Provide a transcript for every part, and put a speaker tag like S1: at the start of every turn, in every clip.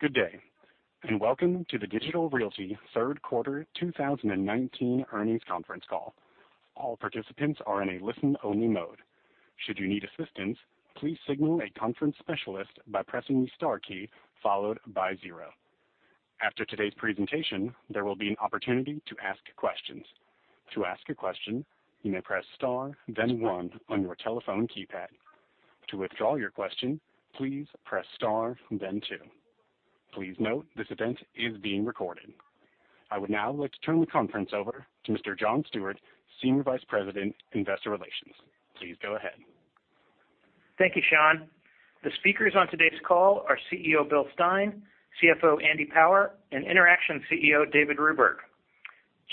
S1: Good day, and welcome to the Digital Realty third quarter 2019 earnings conference call. All participants are in a listen-only mode. Should you need assistance, please signal a conference specialist by pressing the star key followed by zero. After today's presentation, there will be an opportunity to ask questions. To ask a question, you may press star then one on your telephone keypad. To withdraw your question, please press star then two. Please note this event is being recorded. I would now like to turn the conference over to Mr. John Stewart, Senior Vice President, Investor Relations. Please go ahead.
S2: Thank you, Sean. The speakers on today's call are CEO Bill Stein, CFO Andy Power, and Interxion CEO David Ruberg.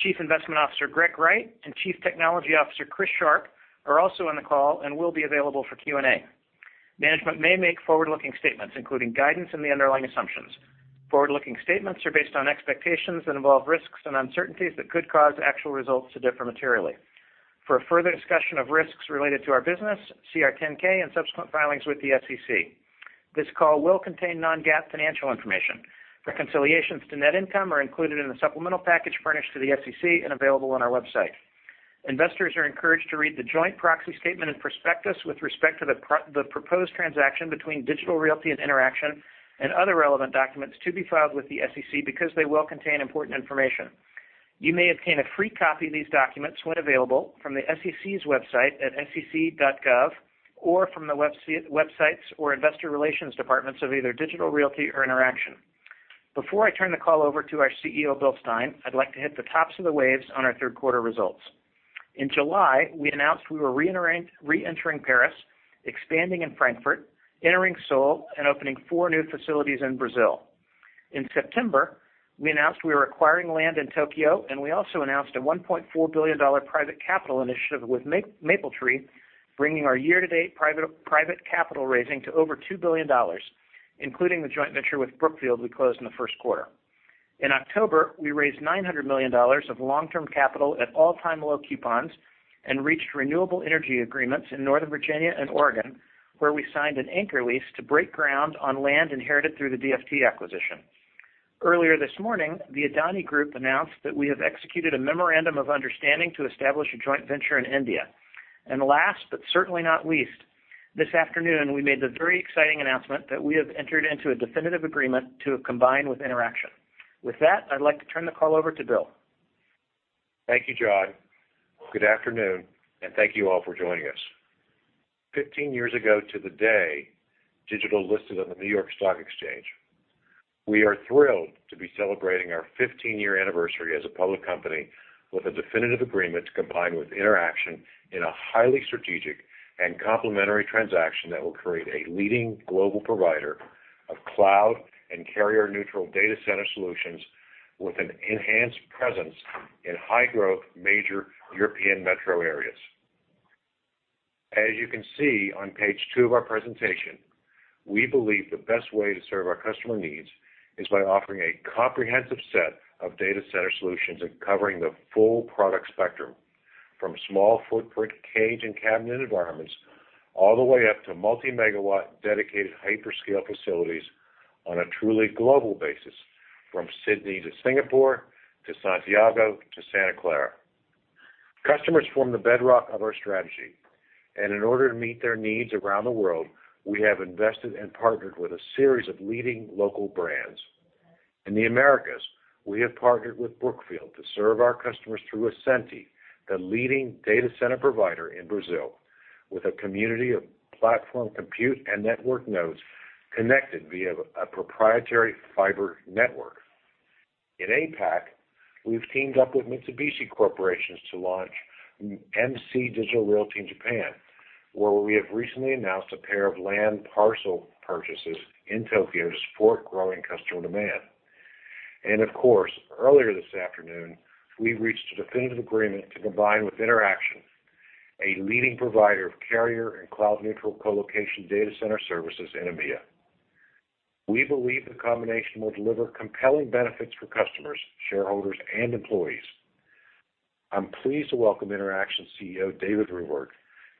S2: Chief Investment Officer Greg Wright and Chief Technology Officer Chris Sharp are also on the call and will be available for Q&A. Management may make forward-looking statements, including guidance and the underlying assumptions. Forward-looking statements are based on expectations that involve risks and uncertainties that could cause actual results to differ materially. For a further discussion of risks related to our business, see our 10K and subsequent filings with the SEC. This call will contain non-GAAP financial information. Reconciliations to net income are included in the supplemental package furnished to the SEC and available on our website. Investors are encouraged to read the joint proxy statement and prospectus with respect to the proposed transaction between Digital Realty and Interxion and other relevant documents to be filed with the SEC because they will contain important information. You may obtain a free copy of these documents when available from the SEC's website at sec.gov or from the websites or investor relations departments of either Digital Realty or Interxion. Before I turn the call over to our CEO, Bill Stein, I'd like to hit the tops of the waves on our third quarter results. In July, we announced we were re-entering Paris, expanding in Frankfurt, entering Seoul, and opening four new facilities in Brazil. In September, we announced we were acquiring land in Tokyo. We also announced a $1.4 billion private capital initiative with Mapletree, bringing our year-to-date private capital raising to over $2 billion, including the joint venture with Brookfield we closed in the first quarter. In October, we raised $900 million of long-term capital at all-time low coupons and reached renewable energy agreements in Northern Virginia and Oregon, where we signed an anchor lease to break ground on land inherited through the DFT acquisition. Earlier this morning, the Adani Group announced that we have executed a memorandum of understanding to establish a joint venture in India. Last but certainly not least, this afternoon, we made the very exciting announcement that we have entered into a definitive agreement to combine with Interxion. With that, I'd like to turn the call over to Bill.
S3: Thank you, John. Good afternoon. Thank you all for joining us. 15 years ago to the day, Digital Realty listed on the New York Stock Exchange. We are thrilled to be celebrating our 15-year anniversary as a public company with a definitive agreement to combine with Interxion in a highly strategic and complementary transaction that will create a leading global provider of cloud and carrier-neutral data center solutions with an enhanced presence in high-growth major European metro areas. As you can see on page two of our presentation, we believe the best way to serve our customer needs is by offering a comprehensive set of data center solutions and covering the full product spectrum, from small footprint cage and cabinet environments, all the way up to multi-megawatt dedicated hyperscale facilities on a truly global basis, from Sydney to Singapore to Santiago to Santa Clara. Customers form the bedrock of our strategy, in order to meet their needs around the world, we have invested and partnered with a series of leading local brands. In the Americas, we have partnered with Brookfield to serve our customers through Ascenty, the leading data center provider in Brazil, with a community of platform compute and network nodes connected via a proprietary fiber network. In APAC, we've teamed up with Mitsubishi Corporation to launch MC Digital Realty in Japan, where we have recently announced a pair of land parcel purchases in Tokyo to support growing customer demand. Of course, earlier this afternoon, we reached a definitive agreement to combine with Interxion, a leading provider of carrier and cloud-neutral colocation data center services in EMEA. We believe the combination will deliver compelling benefits for customers, shareholders, and employees. I'm pleased to welcome Interxion CEO David Ruberg.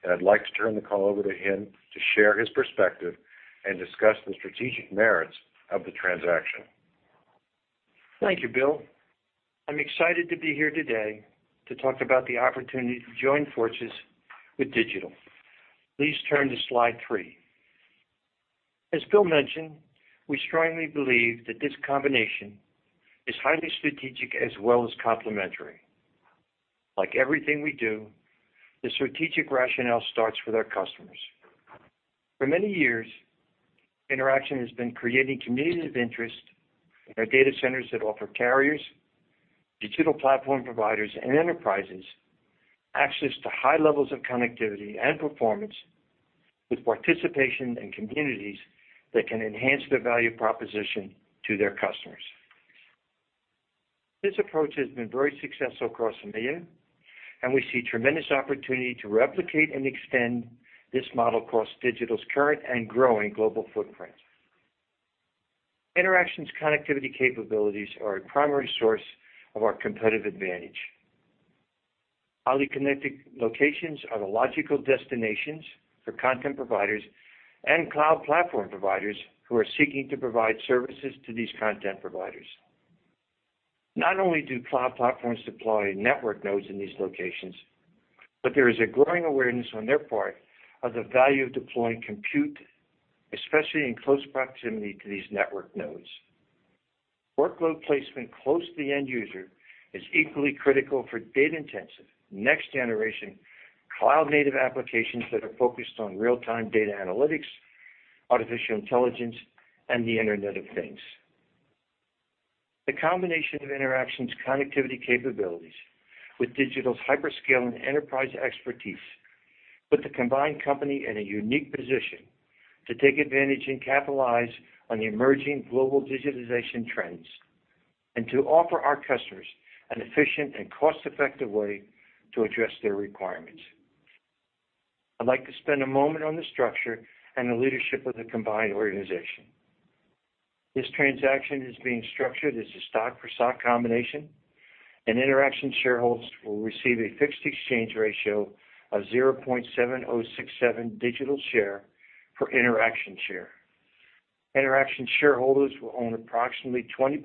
S3: I'd like to turn the call over to him to share his perspective and discuss the strategic merits of the transaction.
S4: Thank you, Bill. I'm excited to be here today to talk about the opportunity to join forces with Digital. Please turn to slide three. As Bill mentioned, we strongly believe that this combination is highly strategic as well as complementary. Like everything we do, the strategic rationale starts with our customers. For many years, Interxion has been creating communities of interest in our data centers that offer carriers, digital platform providers, and enterprises access to high levels of connectivity and performance with participation in communities that can enhance their value proposition to their customers. This approach has been very successful across EMEA. We see tremendous opportunity to replicate and extend this model across Digital's current and growing global footprint. Interxion's connectivity capabilities are a primary source of our competitive advantage. Highly connected locations are the logical destinations for content providers and cloud platform providers who are seeking to provide services to these content providers. Not only do cloud platforms deploy network nodes in these locations, but there is a growing awareness on their part of the value of deploying compute, especially in close proximity to these network nodes. Workload placement close to the end user is equally critical for data-intensive, next-generation cloud-native applications that are focused on real-time data analytics, artificial intelligence, and the Internet of Things. The combination of Interxion's connectivity capabilities with Digital's hyperscale and enterprise expertise put the combined company in a unique position to take advantage and capitalize on the emerging global digitization trends, and to offer our customers an efficient and cost-effective way to address their requirements. I'd like to spend a moment on the structure and the leadership of the combined organization. This transaction is being structured as a stock for stock combination, and Interxion shareholders will receive a fixed exchange ratio of 0.7067 Digital share per Interxion share. Interxion shareholders will own approximately 20%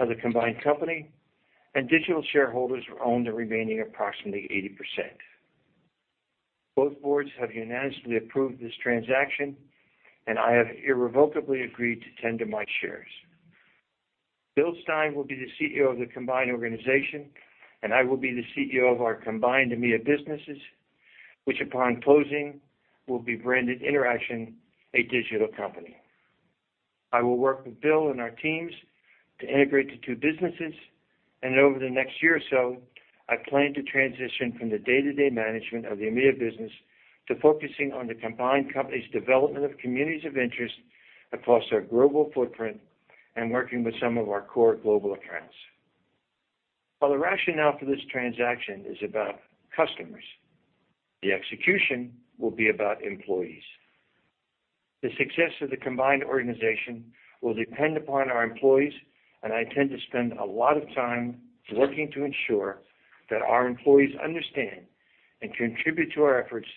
S4: of the combined company, and Digital shareholders will own the remaining approximately 80%. Both boards have unanimously approved this transaction, and I have irrevocably agreed to tender my shares. Bill Stein will be the CEO of the combined organization, and I will be the CEO of our combined EMEA businesses, which, upon closing, will be branded Interxion, a Digital company. I will work with Bill and our teams to integrate the two businesses, and over the next year or so, I plan to transition from the day-to-day management of the EMEA business to focusing on the combined company's development of communities of interest across our global footprint and working with some of our core global accounts. While the rationale for this transaction is about customers, the execution will be about employees. The success of the combined organization will depend upon our employees, and I intend to spend a lot of time working to ensure that our employees understand and contribute to our efforts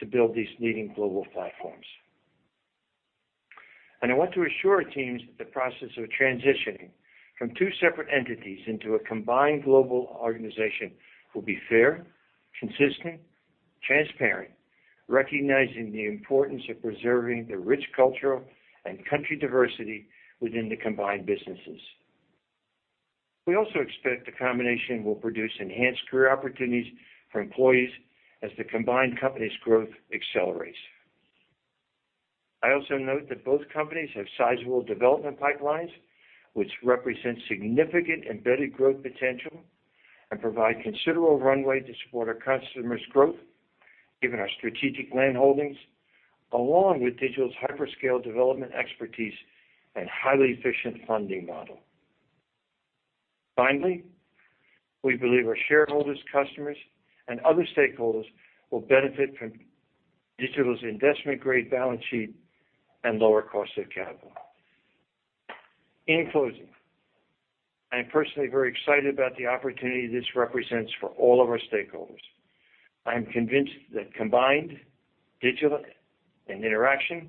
S4: to build these leading global platforms. I want to assure our teams that the process of transitioning from two separate entities into a combined global organization will be fair, consistent, transparent, recognizing the importance of preserving the rich cultural and country diversity within the combined businesses. We also expect the combination will produce enhanced career opportunities for employees as the combined company's growth accelerates. I also note that both companies have sizable development pipelines, which represent significant embedded growth potential and provide considerable runway to support our customers' growth, given our strategic landholdings, along with Digital's hyperscale development expertise and highly efficient funding model. Finally, we believe our shareholders, customers, and other stakeholders will benefit from Digital's investment-grade balance sheet and lower cost of capital. In closing, I am personally very excited about the opportunity this represents for all of our stakeholders. I am convinced that combined, Digital and Interxion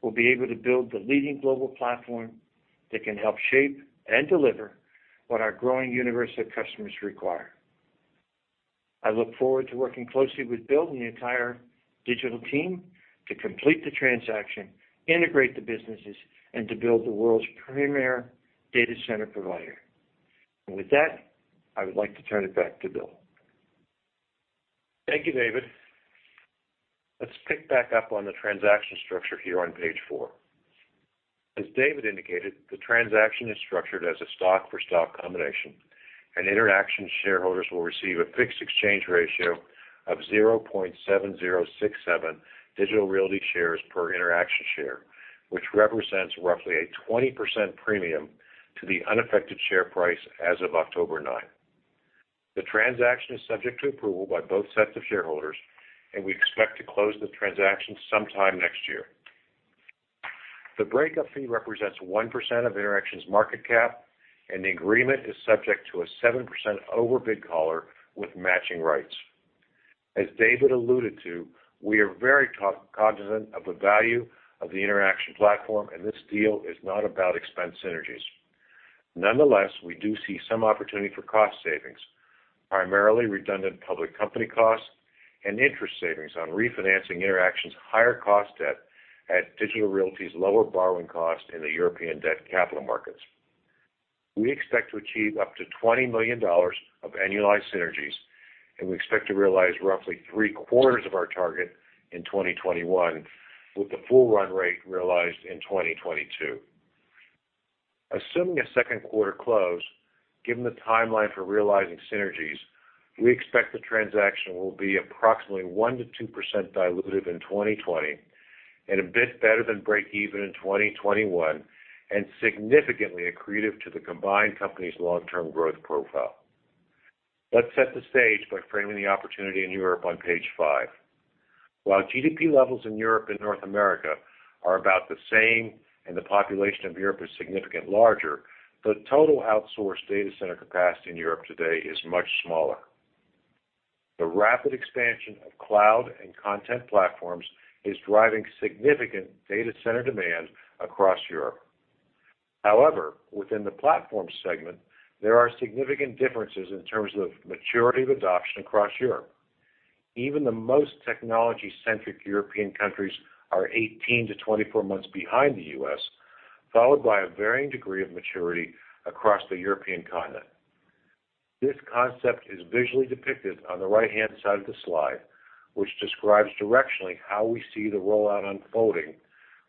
S4: will be able to build the leading global platform that can help shape and deliver what our growing universe of customers require. I look forward to working closely with Bill and the entire Digital team to complete the transaction, integrate the businesses, and to build the world's premier data center provider. With that, I would like to turn it back to Bill.
S3: Thank you, David. Let's pick back up on the transaction structure here on page four. As David indicated, the transaction is structured as a stock for stock combination. Interxion shareholders will receive a fixed exchange ratio of 0.7067 Digital Realty shares per Interxion share, which represents roughly a 20% premium to the unaffected share price as of October 9. The transaction is subject to approval by both sets of shareholders. We expect to close the transaction sometime next year. The breakup fee represents 1% of Interxion's market cap. The agreement is subject to a 7% overbid collar with matching rights. As David alluded to, we are very cognizant of the value of the Interxion platform. This deal is not about expense synergies. Nonetheless, we do see some opportunity for cost savings, primarily redundant public company costs and interest savings on refinancing Interxion's higher cost debt at Digital Realty's lower borrowing cost in the European debt capital markets. We expect to achieve up to $20 million of annualized synergies, and we expect to realize roughly three-quarters of our target in 2021, with the full run rate realized in 2022. Assuming a second quarter close, given the timeline for realizing synergies, we expect the transaction will be approximately 1%-2% dilutive in 2020 and a bit better than break even in 2021, and significantly accretive to the combined company's long-term growth profile. Let's set the stage by framing the opportunity in Europe on page five. While GDP levels in Europe and North America are about the same, and the population of Europe is significantly larger, the total outsourced data center capacity in Europe today is much smaller. The rapid expansion of cloud and content platforms is driving significant data center demand across Europe. However, within the platform segment, there are significant differences in terms of maturity of adoption across Europe. Even the most technology-centric European countries are 18 to 24 months behind the U.S., followed by a varying degree of maturity across the European continent. This concept is visually depicted on the right-hand side of the slide, which describes directionally how we see the rollout unfolding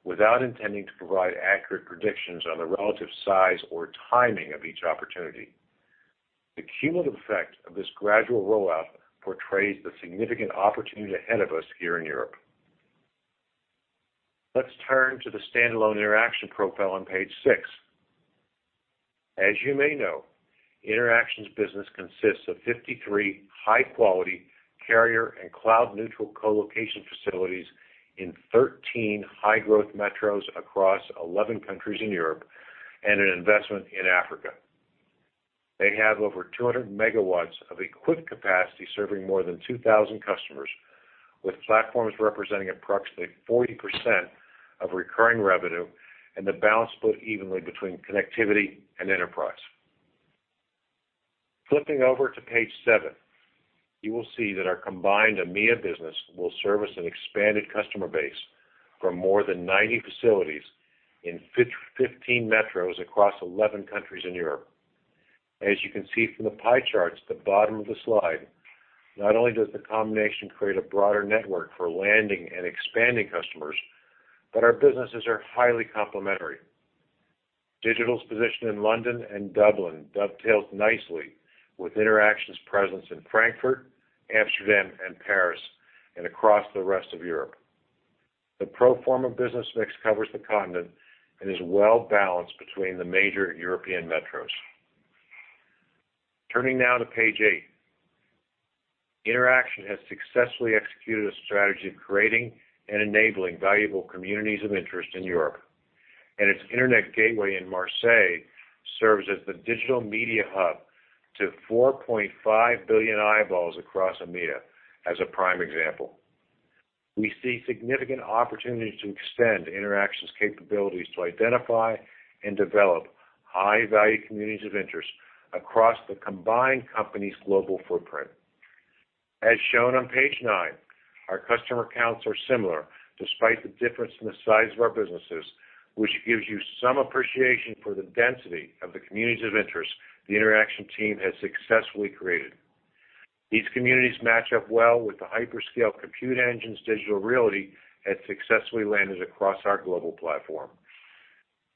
S3: without intending to provide accurate predictions on the relative size or timing of each opportunity. The cumulative effect of this gradual rollout portrays the significant opportunity ahead of us here in Europe. Let's turn to the standalone Interxion profile on page six. As you may know, Interxion's business consists of 53 high-quality carrier and cloud-neutral colocation facilities in 13 high-growth metros across 11 countries in Europe, and an investment in Africa. They have over 200 megawatts of equipped capacity, serving more than 2,000 customers, with platforms representing approximately 40% of recurring revenue, and the balance split evenly between connectivity and enterprise. Flipping over to page seven, you will see that our combined EMEA business will service an expanded customer base for more than 90 facilities in 15 metros across 11 countries in Europe. As you can see from the pie charts at the bottom of the slide, not only does the combination create a broader network for landing and expanding customers, but our businesses are highly complementary. Digital's position in London and Dublin dovetails nicely with Interxion's presence in Frankfurt, Amsterdam, and Paris, and across the rest of Europe. The pro forma business mix covers the continent and is well-balanced between the major European metros. Turning now to page eight. Interxion has successfully executed a strategy of creating and enabling valuable communities of interest in Europe, and its internet gateway in Marseille serves as the digital media hub to 4.5 billion eyeballs across EMEA, as a prime example. We see significant opportunities to extend Interxion's capabilities to identify and develop high-value communities of interest across the combined company's global footprint. As shown on page nine, our customer counts are similar despite the difference in the size of our businesses, which gives you some appreciation for the density of the communities of interest the Interxion team has successfully created. These communities match up well with the hyperscale compute engines Digital Realty has successfully landed across our global platform.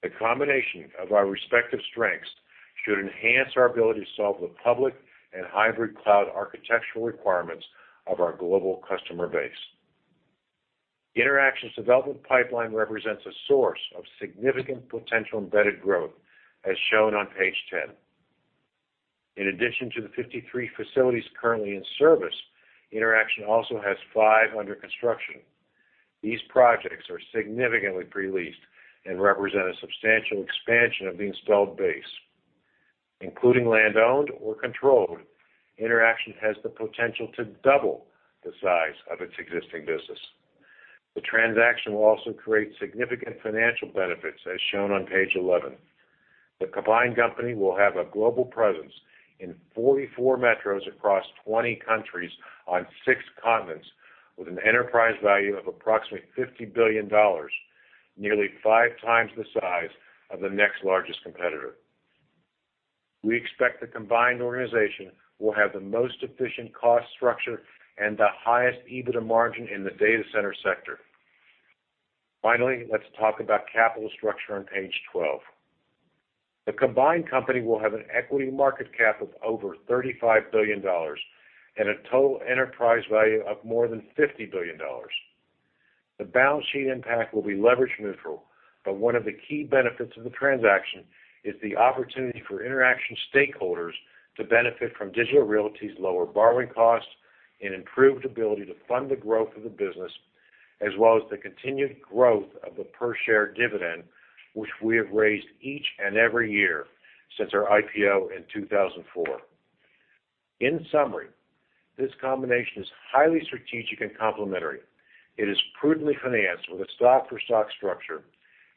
S3: The combination of our respective strengths should enhance our ability to solve the public and hybrid cloud architectural requirements of our global customer base. Interxion's development pipeline represents a source of significant potential embedded growth, as shown on page 10. In addition to the 53 facilities currently in service, Interxion also has five under construction. These projects are significantly pre-leased and represent a substantial expansion of the installed base. Including land owned or controlled, Interxion has the potential to double the size of its existing business. The transaction will also create significant financial benefits, as shown on page 11. The combined company will have a global presence in 44 metros across 20 countries on six continents with an enterprise value of approximately $50 billion, nearly five times the size of the next largest competitor. We expect the combined organization will have the most efficient cost structure and the highest EBITDA margin in the data center sector. Finally, let's talk about capital structure on page 12. The combined company will have an equity market cap of over $35 billion and a total enterprise value of more than $50 billion. The balance sheet impact will be leverage neutral, but one of the key benefits of the transaction is the opportunity for Interxion stakeholders to benefit from Digital Realty's lower borrowing costs and improved ability to fund the growth of the business, as well as the continued growth of the per-share dividend, which we have raised each and every year since our IPO in 2004. This combination is highly strategic and complementary. It is prudently financed with a stock-for-stock structure,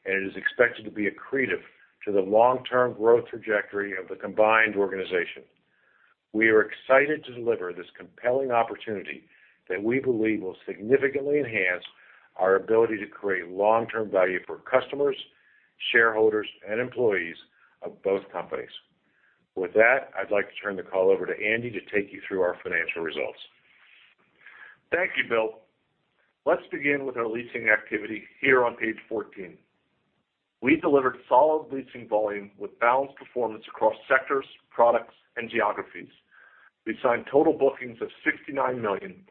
S3: and it is expected to be accretive to the long-term growth trajectory of the combined organization. We are excited to deliver this compelling opportunity that we believe will significantly enhance our ability to create long-term value for customers, shareholders, and employees of both companies. With that, I'd like to turn the call over to Andy to take you through our financial results.
S5: Thank you, Bill. Let's begin with our leasing activity here on page 14. We delivered solid leasing volume with balanced performance across sectors, products, and geographies. We signed total bookings of $69 million,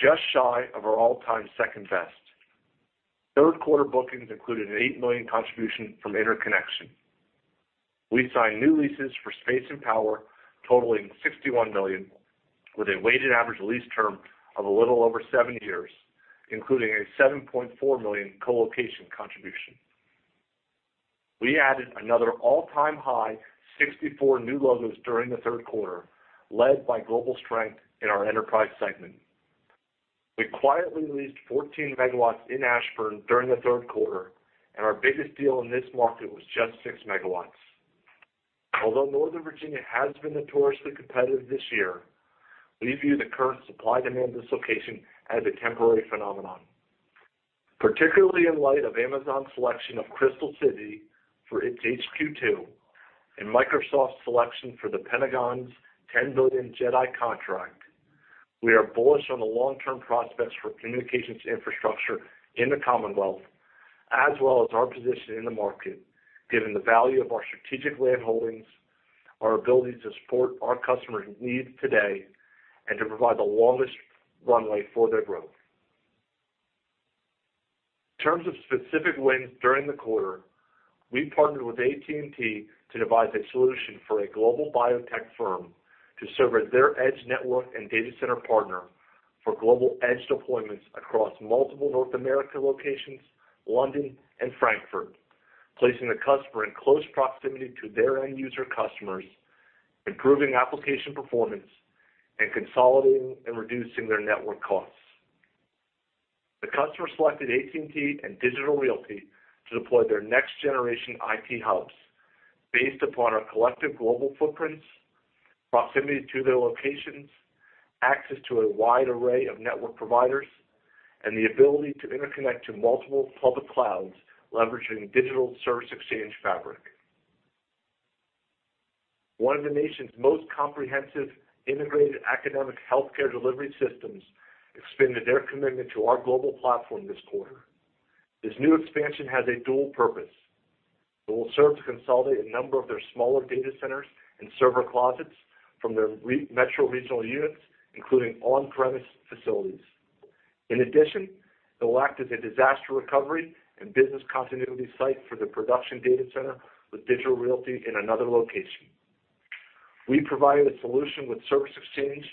S5: just shy of our all-time second best. Third quarter bookings included an eight million contribution from Interconnection. We signed new leases for space and power totaling $61 million, with a weighted average lease term of a little over seven years, including a $7.4 million colocation contribution. We added another all-time high 64 new logos during the third quarter, led by global strength in our enterprise segment. We quietly leased 14 megawatts in Ashburn during the third quarter. Our biggest deal in this market was just six megawatts. Northern Virginia has been notoriously competitive this year, we view the current supply-demand dislocation as a temporary phenomenon. Particularly in light of Amazon's selection of Crystal City for its HQ2 and Microsoft's selection for the Pentagon's $10 billion JEDI contract, we are bullish on the long-term prospects for communications infrastructure in the Commonwealth, as well as our position in the market, given the value of our strategic land holdings, our ability to support our customers' needs today, and to provide the longest runway for their growth. In terms of specific wins during the quarter, we partnered with AT&T to devise a solution for a global biotech firm to serve as their edge network and data center partner for global edge deployments across multiple North America locations, London, and Frankfurt, placing the customer in close proximity to their end user customers, improving application performance, and consolidating and reducing their network costs. The customer selected AT&T and Digital Realty to deploy their next-generation IT hubs based upon our collective global footprints, proximity to their locations, access to a wide array of network providers, and the ability to interconnect to multiple public clouds leveraging Digital's Service Exchange fabric. One of the nation's most comprehensive, integrated academic healthcare delivery systems expanded their commitment to our global platform this quarter. This new expansion has a dual purpose. It will serve to consolidate a number of their smaller data centers and server closets from their metro regional units, including on-premise facilities. In addition, it will act as a disaster recovery and business continuity site for the production data center with Digital Realty in another location. We provided a solution with Service Exchange,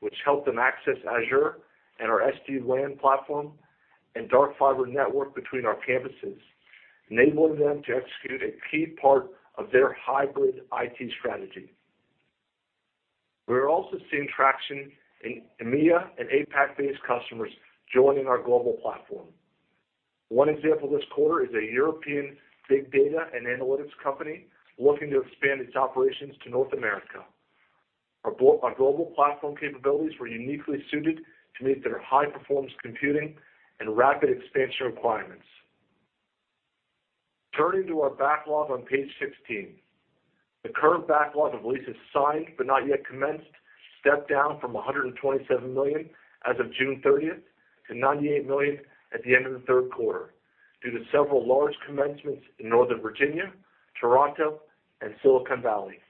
S5: which helped them access Azure and our SD-WAN platform and dark fiber network between our campuses, enabling them to execute a key part of their hybrid IT strategy. We are also seeing traction in EMEA and APAC-based customers joining our global platform. One example this quarter is a European big data and analytics company looking to expand its operations to North America. Our global platform capabilities were uniquely suited to meet their high-performance computing and rapid expansion requirements. Turning to our backlog on page 16. The current backlog of leases signed but not yet commenced stepped down from $127 million as of June 30th to $98 million at the end of the third quarter, due to several large commencements in Northern Virginia, Toronto, and Silicon Valley.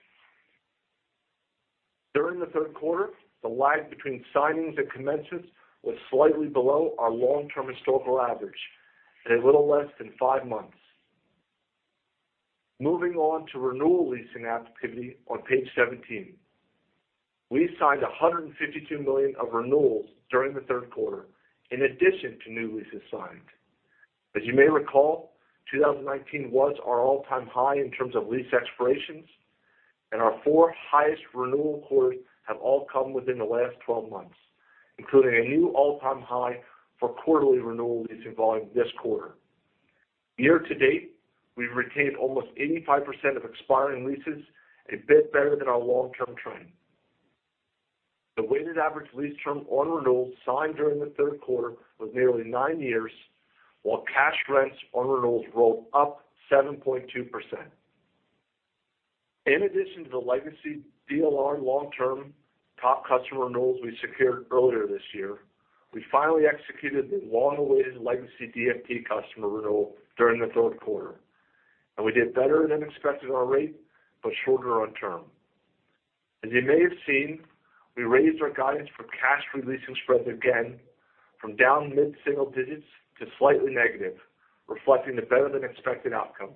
S5: During the third quarter, the lag between signings and commencements was slightly below our long-term historical average at a little less than five months. Moving on to renewal leasing activity on page 17. We signed $152 million of renewals during the third quarter in addition to new leases signed. As you may recall, 2019 was our all-time high in terms of lease expirations, and our four highest renewal quarters have all come within the last 12 months, including a new all-time high for quarterly renewal leasing volume this quarter. Year to date, we've retained almost 85% of expiring leases, a bit better than our long-term trend. The weighted average lease term on renewals signed during the third quarter was nearly nine years, while cash rents on renewals rolled up 7.2%. In addition to the Legacy DLR long-term top customer renewals we secured earlier this year, we finally executed the long-awaited Legacy DFT customer renewal during the third quarter, and we did better than expected on rate, but shorter on term. As you may have seen, we raised our guidance for cash re-leasing spreads again from down mid-single digits to slightly negative, reflecting the better than expected outcome.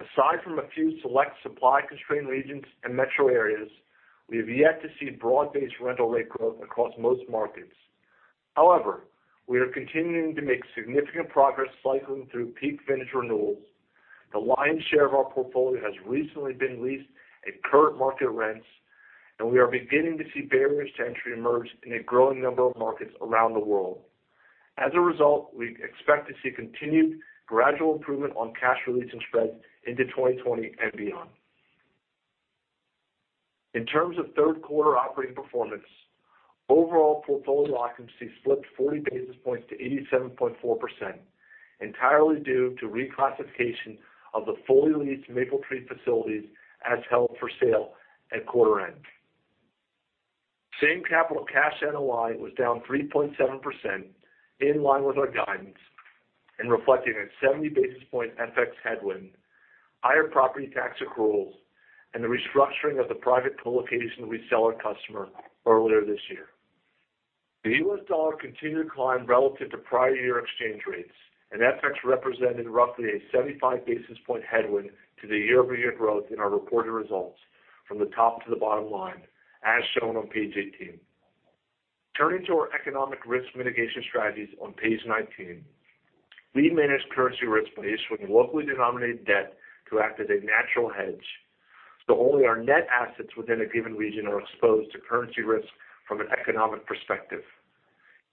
S5: Aside from a few select supply-constrained regions and metro areas, we have yet to see broad-based rental rate growth across most markets. However, we are continuing to make significant progress cycling through peak vintage renewals. The lion's share of our portfolio has recently been leased at current market rents, and we are beginning to see barriers to entry emerge in a growing number of markets around the world. As a result, we expect to see continued gradual improvement on cash re-leasing spreads into 2020 and beyond. In terms of third quarter operating performance, overall portfolio occupancy slipped 40 basis points to 87.4%, entirely due to reclassification of the fully leased Mapletree facilities as held for sale at quarter end. Same capital cash NOI was down 3.7%, in line with our guidance and reflecting a 70 basis point FX headwind, higher property tax accruals, and the restructuring of the private colocation reseller customer earlier this year. The U.S. dollar continued to climb relative to prior year exchange rates. FX represented roughly a 75 basis point headwind to the year-over-year growth in our reported results from the top to the bottom line, as shown on page 18. Turning to our economic risk mitigation strategies on page 19. We manage currency risk by issuing locally denominated debt to act as a natural hedge, so only our net assets within a given region are exposed to currency risk from an economic perspective.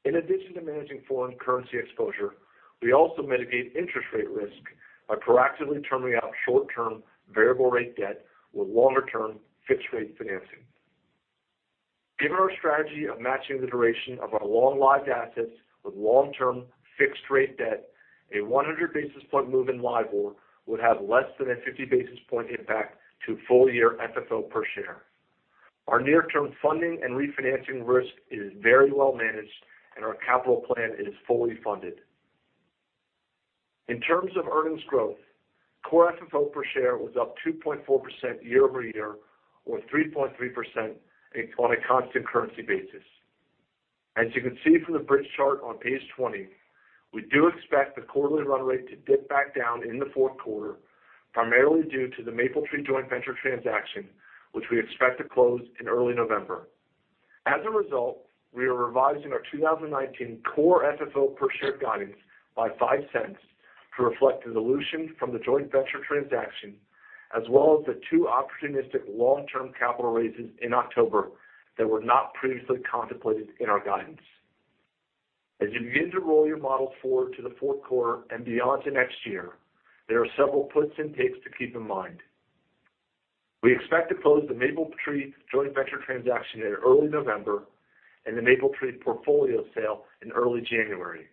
S5: In addition to managing foreign currency exposure, we also mitigate interest rate risk by proactively turning out short-term variable rate debt with longer-term fixed rate financing. Given our strategy of matching the duration of our long-lived assets with long-term fixed rate debt, a 100 basis point move in LIBOR would have less than a 50 basis point impact to full year FFO per share. Our near-term funding and refinancing risk is very well managed, and our capital plan is fully funded. In terms of earnings growth, core FFO per share was up 2.4% year-over-year or 3.3% on a constant currency basis. As you can see from the bridge chart on page 20, we do expect the quarterly run rate to dip back down in the fourth quarter, primarily due to the Mapletree joint venture transaction, which we expect to close in early November. As a result, we are revising our 2019 core FFO per share guidance by $0.05 to reflect the dilution from the joint venture transaction, as well as the two opportunistic long-term capital raises in October that were not previously contemplated in our guidance. As you begin to roll your model forward to the fourth quarter and beyond to next year, there are several puts and takes to keep in mind. We expect to close the Mapletree joint venture transaction in early November and the Mapletree portfolio sale in early January.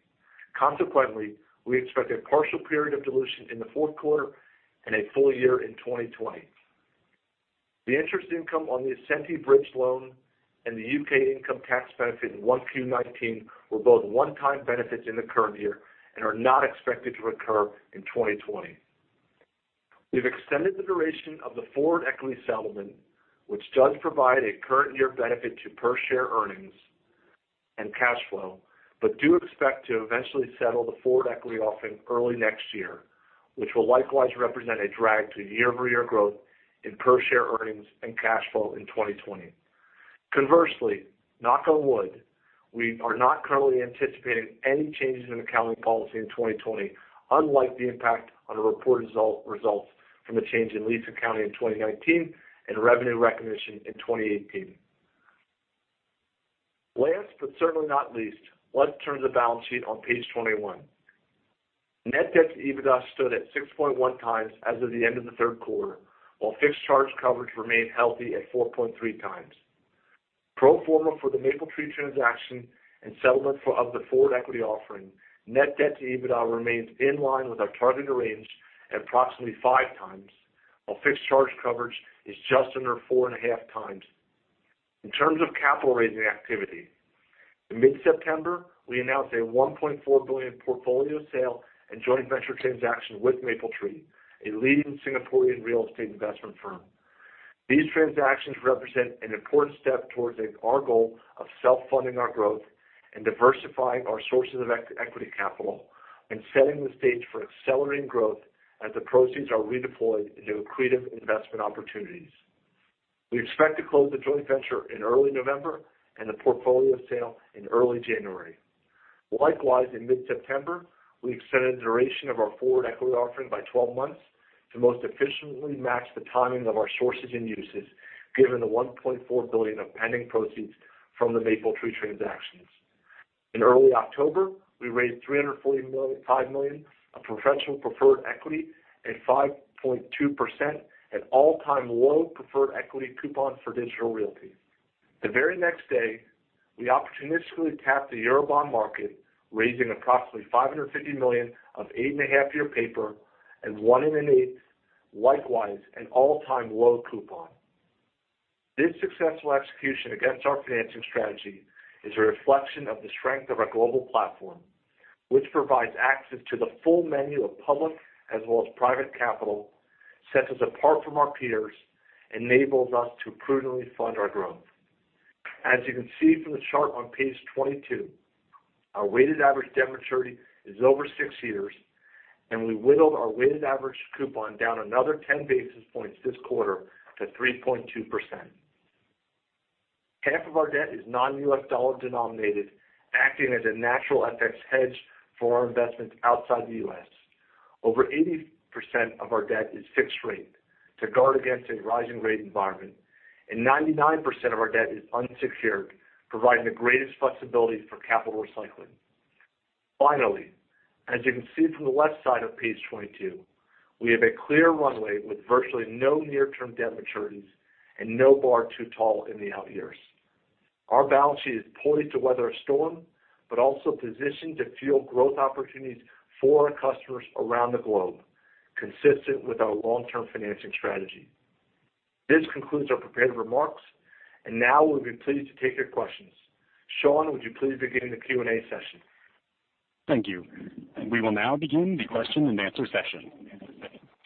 S5: Consequently, we expect a partial period of dilution in the fourth quarter and a full year in 2020. The interest income on the Ascenty bridge loan and the U.K. income tax benefit in 1Q 2019 were both one-time benefits in the current year and are not expected to recur in 2020. We've extended the duration of the forward equity settlement, which does provide a current year benefit to per share earnings and cash flow, but do expect to eventually settle the forward equity offering early next year, which will likewise represent a drag to year-over-year growth in per share earnings and cash flow in 2020. Conversely, knock on wood, we are not currently anticipating any changes in accounting policy in 2020, unlike the impact on the reported results from the change in lease accounting in 2019 and revenue recognition in 2018. Last but certainly not least, let's turn to the balance sheet on page 21. Net debt to EBITDA stood at 6.1 times as of the end of the third quarter, while fixed charge coverage remained healthy at 4.3 times. Pro forma for the Mapletree transaction and settlement of the forward equity offering, net debt to EBITDA remains in line with our targeted range at approximately 5 times, while fixed charge coverage is just under 4.5 times. In terms of capital raising activity, in mid-September, we announced a $1.4 billion portfolio sale and joint venture transaction with Mapletree, a leading Singaporean real estate investment firm. These transactions represent an important step towards our goal of self-funding our growth and diversifying our sources of equity capital and setting the stage for accelerating growth as the proceeds are redeployed into accretive investment opportunities. We expect to close the joint venture in early November and the portfolio sale in early January. Likewise, in mid-September, we extended the duration of our forward equity offering by 12 months to most efficiently match the timing of our sources and uses, given the $1.4 billion of pending proceeds from the Mapletree transactions. In early October, we raised $345 million of perpetual preferred equity at 5.2%, an all-time low preferred equity coupon for Digital Realty. The very next day, we opportunistically tapped the Eurobond market, raising approximately $550 million of eight-and-a-half-year paper and one in an eighth, likewise an all-time low coupon. This successful execution against our financing strategy is a reflection of the strength of our global platform, which provides access to the full menu of public as well as private capital, sets us apart from our peers, enables us to prudently fund our growth. As you can see from the chart on page 22, our weighted average debt maturity is over six years, and we whittled our weighted average coupon down another 10 basis points this quarter to 3.2%. Half of our debt is non-U.S. dollar denominated, acting as a natural FX hedge for our investments outside the U.S. Over 80% of our debt is fixed rate to guard against a rising rate environment, and 99% of our debt is unsecured, providing the greatest flexibility for capital recycling. Finally, as you can see from the left side of page 22, we have a clear runway with virtually no near-term debt maturities and no bar too tall in the out years. Our balance sheet is poised to weather a storm, but also positioned to fuel growth opportunities for our customers around the globe, consistent with our long-term financing strategy. This concludes our prepared remarks, and now we'll be pleased to take your questions. Sean, would you please begin the Q&A session?
S1: Thank you. We will now begin the question and answer session.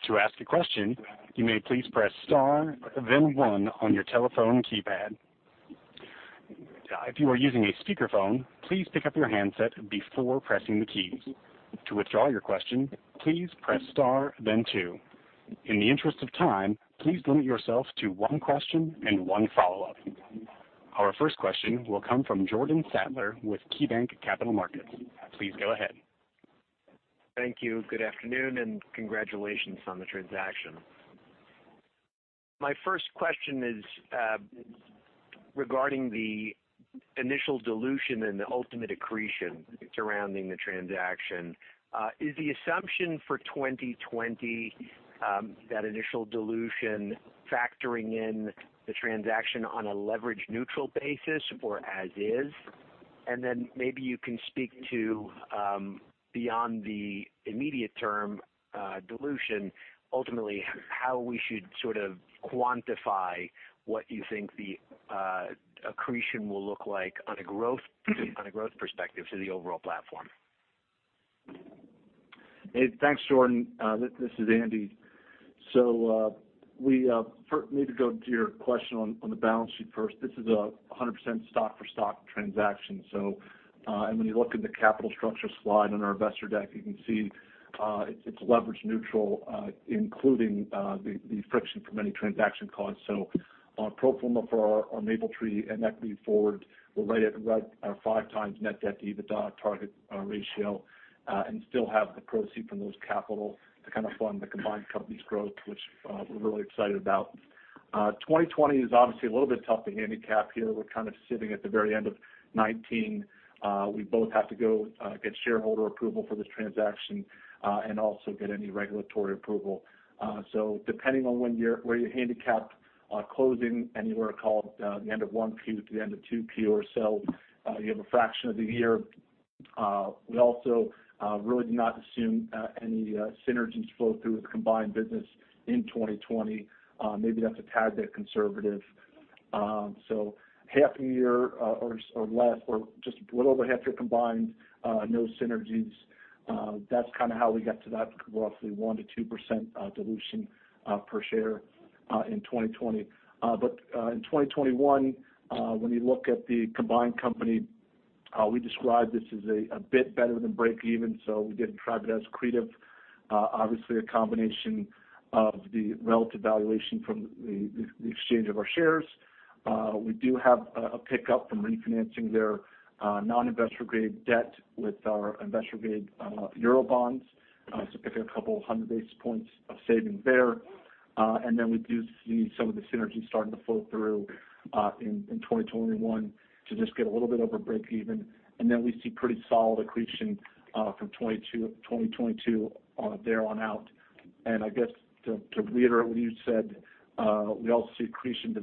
S1: To ask a question, you may please press star, then one on your telephone keypad. If you are using a speakerphone, please pick up your handset before pressing the keys. To withdraw your question, please press star, then two. In the interest of time, please limit yourself to one question and one follow-up. Our first question will come from Jordan Sadler with KeyBanc Capital Markets. Please go ahead.
S6: Thank you. Good afternoon. Congratulations on the transaction. My first question is regarding the initial dilution and the ultimate accretion surrounding the transaction. Is the assumption for 2020, that initial dilution factoring in the transaction on a leverage neutral basis or as is? Maybe you can speak to, beyond the immediate term dilution, ultimately, how we should sort of quantify what you think the accretion will look like on a growth perspective to the overall platform.
S5: Hey, thanks, Jordan. This is Andy. We need to go to your question on the balance sheet first. This is 100% stock-for-stock transaction. And when you look at the capital structure slide on our investor deck, you can see it is leverage neutral, including the friction from any transaction costs. On pro forma for our Mapletree and Equinix forward, we are right at five times net debt to EBITDA target ratio, and still have the proceed from those capital to kind of fund the combined company's growth, which we are really excited about. 2020 is obviously a little bit tough to handicap here. We are kind of sitting at the very end of 2019. We both have to go get shareholder approval for this transaction, and also get any regulatory approval. Depending on where you handicap closing anywhere called the end of 1Q to the end of 2Q or so, you have a fraction of the year. We also really do not assume any synergies flow through the combined business in 2020. Maybe that's a tad bit conservative. Half a year or less or just a little over half year combined, no synergies. That's kind of how we got to that roughly 1%-2% dilution per share in 2020. In 2021, when you look at the combined company, we describe this as a bit better than breakeven, so we didn't try but as accretive. Obviously, a combination of the relative valuation from the exchange of our shares. We do have a pickup from refinancing their non-investor grade debt with our investor grade Eurobonds. If you have 200 basis points of savings there. We do see some of the synergies starting to flow through in 2021 to just get a little bit over breakeven. We see pretty solid accretion from 2022 there on out. I guess to reiterate what you said, we also see accretion to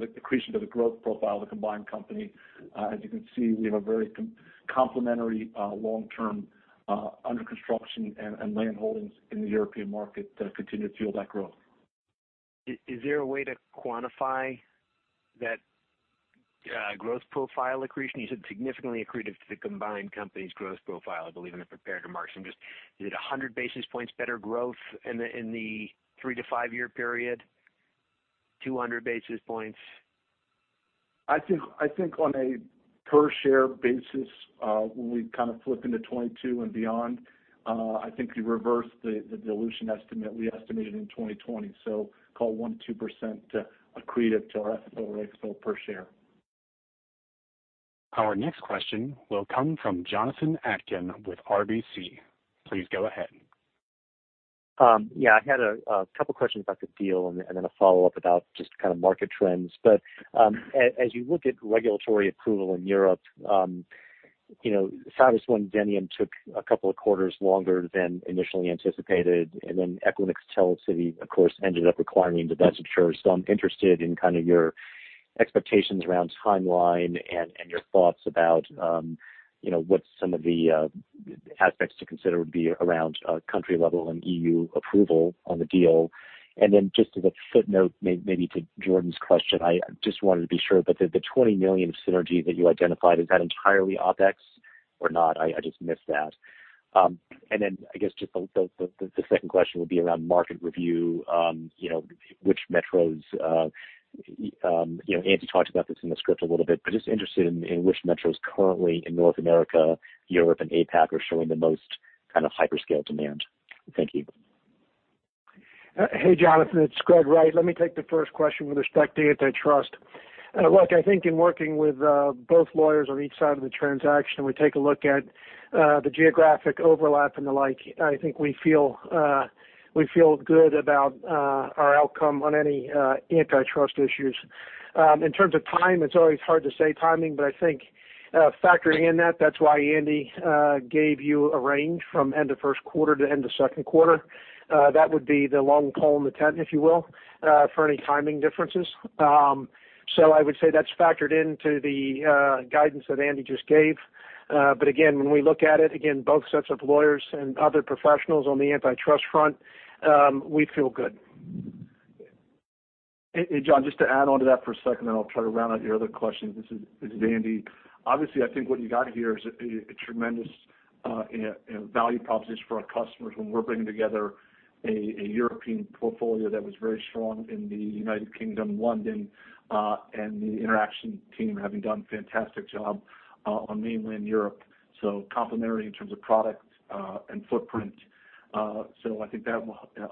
S5: the growth profile of the combined company. You can see, we have a very complementary long term under construction and land holdings in the European market that continue to fuel that growth.
S6: Is there a way to quantify that growth profile accretion? You said significantly accretive to the combined company's growth profile, I believe in the prepared remarks. Is it 100 basis points better growth in the three to five year period? 200 basis points?
S5: I think on a per share basis, when we kind of flip into 2022 and beyond, I think you reverse the dilution estimate we estimated in 2020. Call 1%-2% accretive to our FFO or AFFO per share.
S1: Our next question will come from Jonathan Atkin with RBC. Please go ahead.
S7: Yeah, I had a couple questions about the deal and then a follow-up about just kind of market trends. As you look at regulatory approval in Europe, Cyrus One-Zenium took a couple of quarters longer than initially anticipated, Equinix TelecityGroup, of course, ended up requiring divestitures. I'm interested in kind of your expectations around timeline and your thoughts about what some of the aspects to consider would be around country level and EU approval on the deal. Just as a footnote, maybe to Jordan's question, I just wanted to be sure, but the $20 million synergy that you identified, is that entirely OpEx or not? I just missed that. I guess just the second question would be around market review, which metros Andy talked about this in the script a little bit, but just interested in which metros currently in North America, Europe, and APAC are showing the most kind of hyperscale demand. Thank you.
S8: Hey, Jonathan. It's Greg Wright. Let me take the first question with respect to antitrust. Look, I think in working with both lawyers on each side of the transaction, we take a look at the geographic overlap and the like. I think we feel good about our outcome on any antitrust issues. In terms of time, it's always hard to say timing, but I think factoring in that's why Andy gave you a range from end of first quarter to end of second quarter. That would be the long pole in the tent, if you will, for any timing differences. I would say that's factored into the guidance that Andy just gave. Again, when we look at it, again, both sets of lawyers and other professionals on the antitrust front, we feel good.
S5: John, just to add onto that for a second, I'll try to round out your other questions. This is Andy. Obviously, I think what you got here is tremendous value propositions for our customers when we're bringing together a European portfolio that was very strong in the U.K., London, and the Interxion team having done fantastic job on mainland Europe, complementary in terms of product and footprint. I think that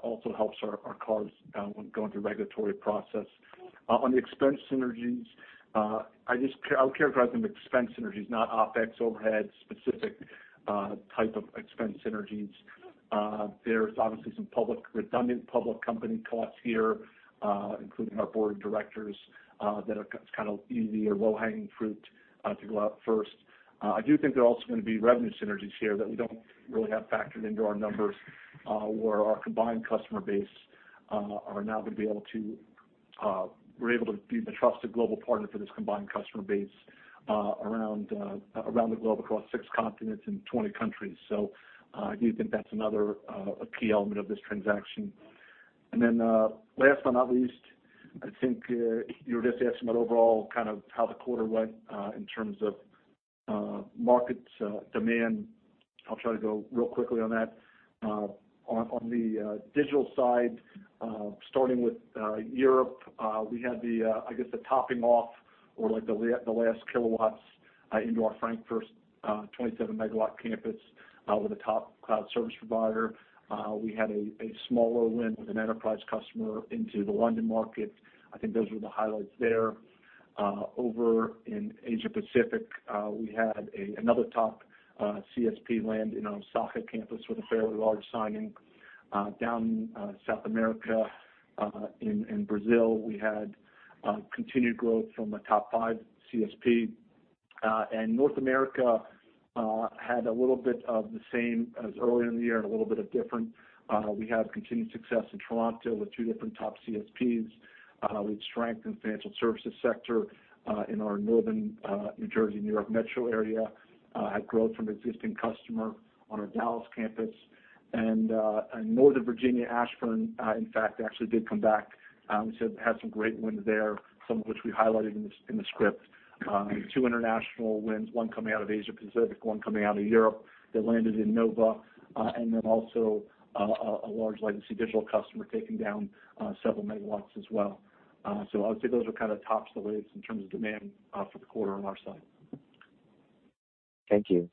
S5: also helps our cause when going through regulatory process. On the expense synergies, I would characterize them expense synergies, not OpEx overheads, specific type of expense synergies. There's obviously some redundant public company costs here, including our board of directors, that it's kind of easy or low-hanging fruit to go out first. I do think there are also going to be revenue synergies here that we don't really have factored into our numbers, where our combined customer base, we're able to be the trusted global partner for this combined customer base around the globe across six continents and 20 countries. I do think that's another key element of this transaction. Last but not least, I think you were just asking about overall how the quarter went in terms of markets demand. I'll try to go real quickly on that. On the digital side, starting with Europe, we had the, I guess, the topping off or the last kilowatts into our Frankfurt 27-megawatt campus with a top cloud service provider. We had a smaller win with an enterprise customer into the London market. I think those were the highlights there. Over in Asia Pacific, we had another top CSP land in our Osaka campus with a fairly large signing. Down in South America, in Brazil, we had continued growth from a top five CSP. North America had a little bit of the same as earlier in the year and a little bit of different. We have continued success in Toronto with two different top CSPs. We've strengthened financial services sector in our northern New Jersey, New York metro area, had growth from existing customer on our Dallas campus. Northern Virginia, Ashburn, in fact, actually did come back. We had some great wins there, some of which we highlighted in the script. Two international wins, one coming out of Asia Pacific, one coming out of Europe, that landed in NoVA, and then also a large legacy Digital customer taking down several megawatts as well. I would say those are kind of tops the list in terms of demand for the quarter on our side.
S7: Thank you.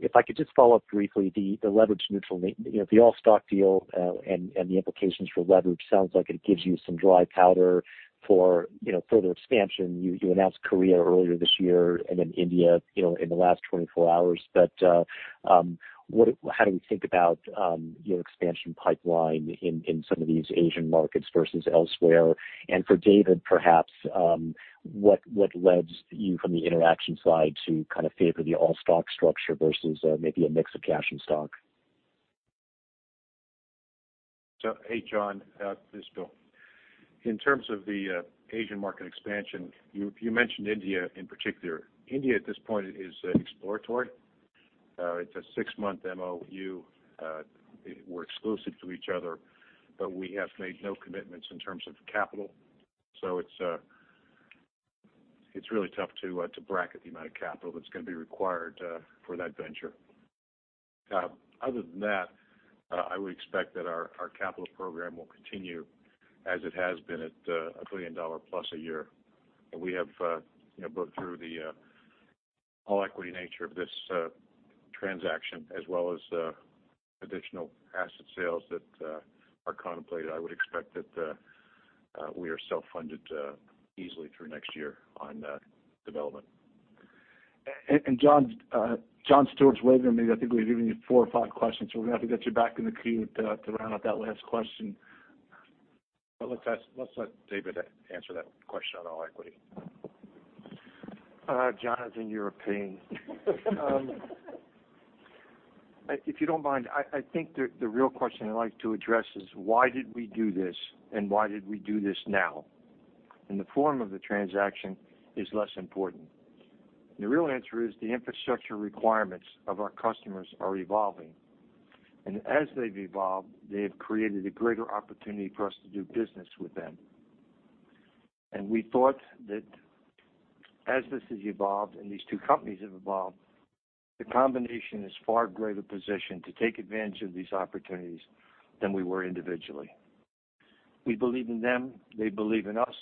S7: If I could just follow up briefly, the leverage neutral, the all-stock deal and the implications for leverage sounds like it gives you some dry powder for further expansion. You announced Korea earlier this year and then India in the last 24 hours. How do we think about your expansion pipeline in some of these Asian markets versus elsewhere? For David, perhaps, what led you from the Interxion side to kind of favor the all-stock structure versus maybe a mix of cash and stock?
S3: Hey, John. This is Bill. In terms of the Asian market expansion, you mentioned India in particular. India at this point is exploratory. It's a six-month MOU. We're exclusive to each other, but we have made no commitments in terms of capital. It's really tough to bracket the amount of capital that's going to be required for that venture. Other than that, I would expect that our capital program will continue as it has been at $1 billion plus a year. We have booked through the all-equity nature of this transaction as well as additional asset sales that are contemplated. I would expect that we are self-funded easily through next year on development. John Stewart's waiving at me. I think we've given you four or five questions, we're going to have to get you back in the queue to round out that last question. Well, let's let David answer that question on all equity.
S4: John, it's in European. If you don't mind, I think the real question I'd like to address is why did we do this, and why did we do this now? The form of the transaction is less important. The real answer is the infrastructure requirements of our customers are evolving. As they've evolved, they have created a greater opportunity for us to do business with them. We thought that as this has evolved and these two companies have evolved, the combination is far greater positioned to take advantage of these opportunities than we were individually. We believe in them. They believe in us.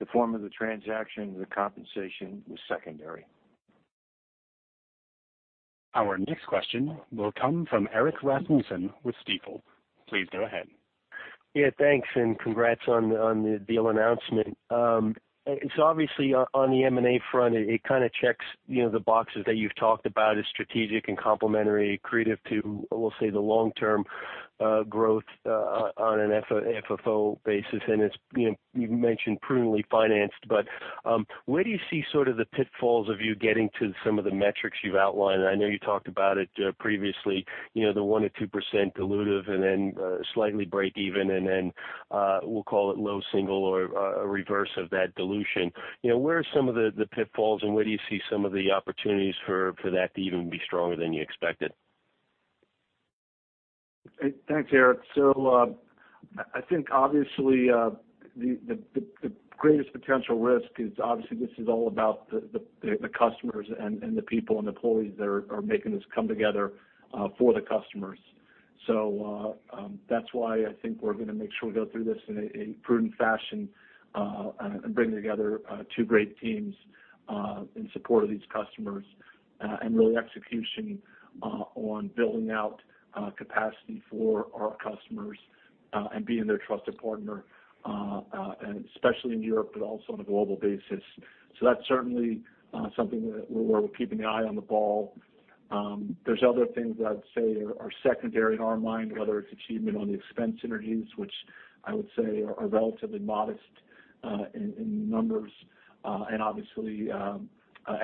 S4: The form of the transaction, the compensation was secondary.
S1: Our next question will come from Erik Rasmussen with Stifel. Please go ahead.
S9: Yeah, thanks, and congrats on the deal announcement. Obviously on the M&A front, it kind of checks the boxes that you've talked about as strategic and complementary, accretive to, we'll say, the long-term growth on an FFO basis, you've mentioned prudently financed. Where do you see sort of the pitfalls of you getting to some of the metrics you've outlined? I know you talked about it previously, the 1% or 2% dilutive and then slightly breakeven, and then we'll call it low single or a reverse of that dilution. Where are some of the pitfalls, and where do you see some of the opportunities for that to even be stronger than you expected?
S5: Thanks, Erik. I think obviously the greatest potential risk is obviously this is all about the customers and the people and employees that are making this come together for the customers. That's why I think we're going to make sure we go through this in a prudent fashion, and bring together two great teams in support of these customers. Really execution on building out capacity for our customers and being their trusted partner, especially in Europe, but also on a global basis. That's certainly something that we're keeping the eye on the ball. There's other things that I'd say are secondary in our mind, whether it's achievement on the expense synergies, which I would say are relatively modest in numbers. Obviously,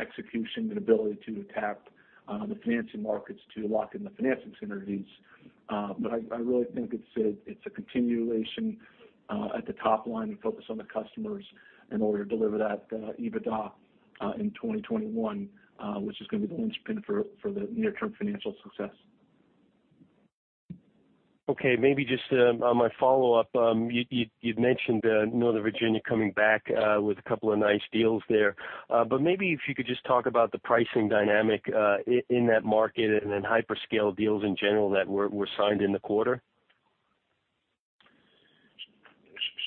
S5: execution and ability to tap the financing markets to lock in the financing synergies. I really think it's a continuation at the top line and focus on the customers in order to deliver that EBITDA in 2021, which is going to be the linchpin for the near-term financial success.
S9: Okay, maybe just on my follow-up. You'd mentioned Northern Virginia coming back with a couple of nice deals there. Maybe if you could just talk about the pricing dynamic in that market and then hyperscale deals in general that were signed in the quarter.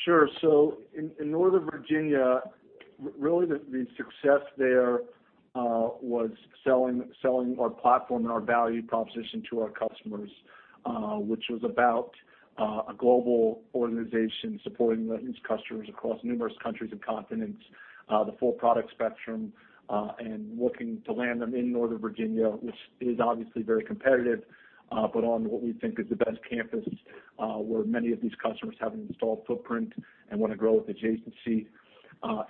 S5: Sure. In Northern Virginia, really the success there was selling our platform and our value proposition to our customers, which was about a global organization supporting these customers across numerous countries and continents, the full product spectrum, and looking to land them in Northern Virginia, which is obviously very competitive. On what we think is the best campus, where many of these customers have an installed footprint and want to grow with adjacency.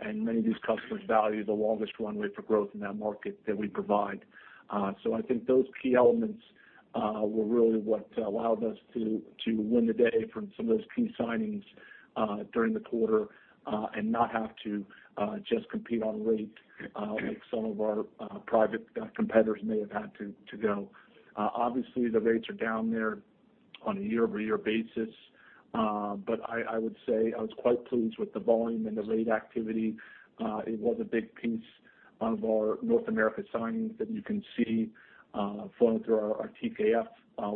S5: Many of these customers value the longest runway for growth in that market that we provide. I think those key elements were really what allowed us to win the day from some of those key signings during the quarter and not have to just compete on rate like some of our private competitors may have had to go. Obviously, the rates are down there on a year-over-year basis. I would say I was quite pleased with the volume and the rate activity. It was a big piece of our North America signings that you can see flowing through our TKF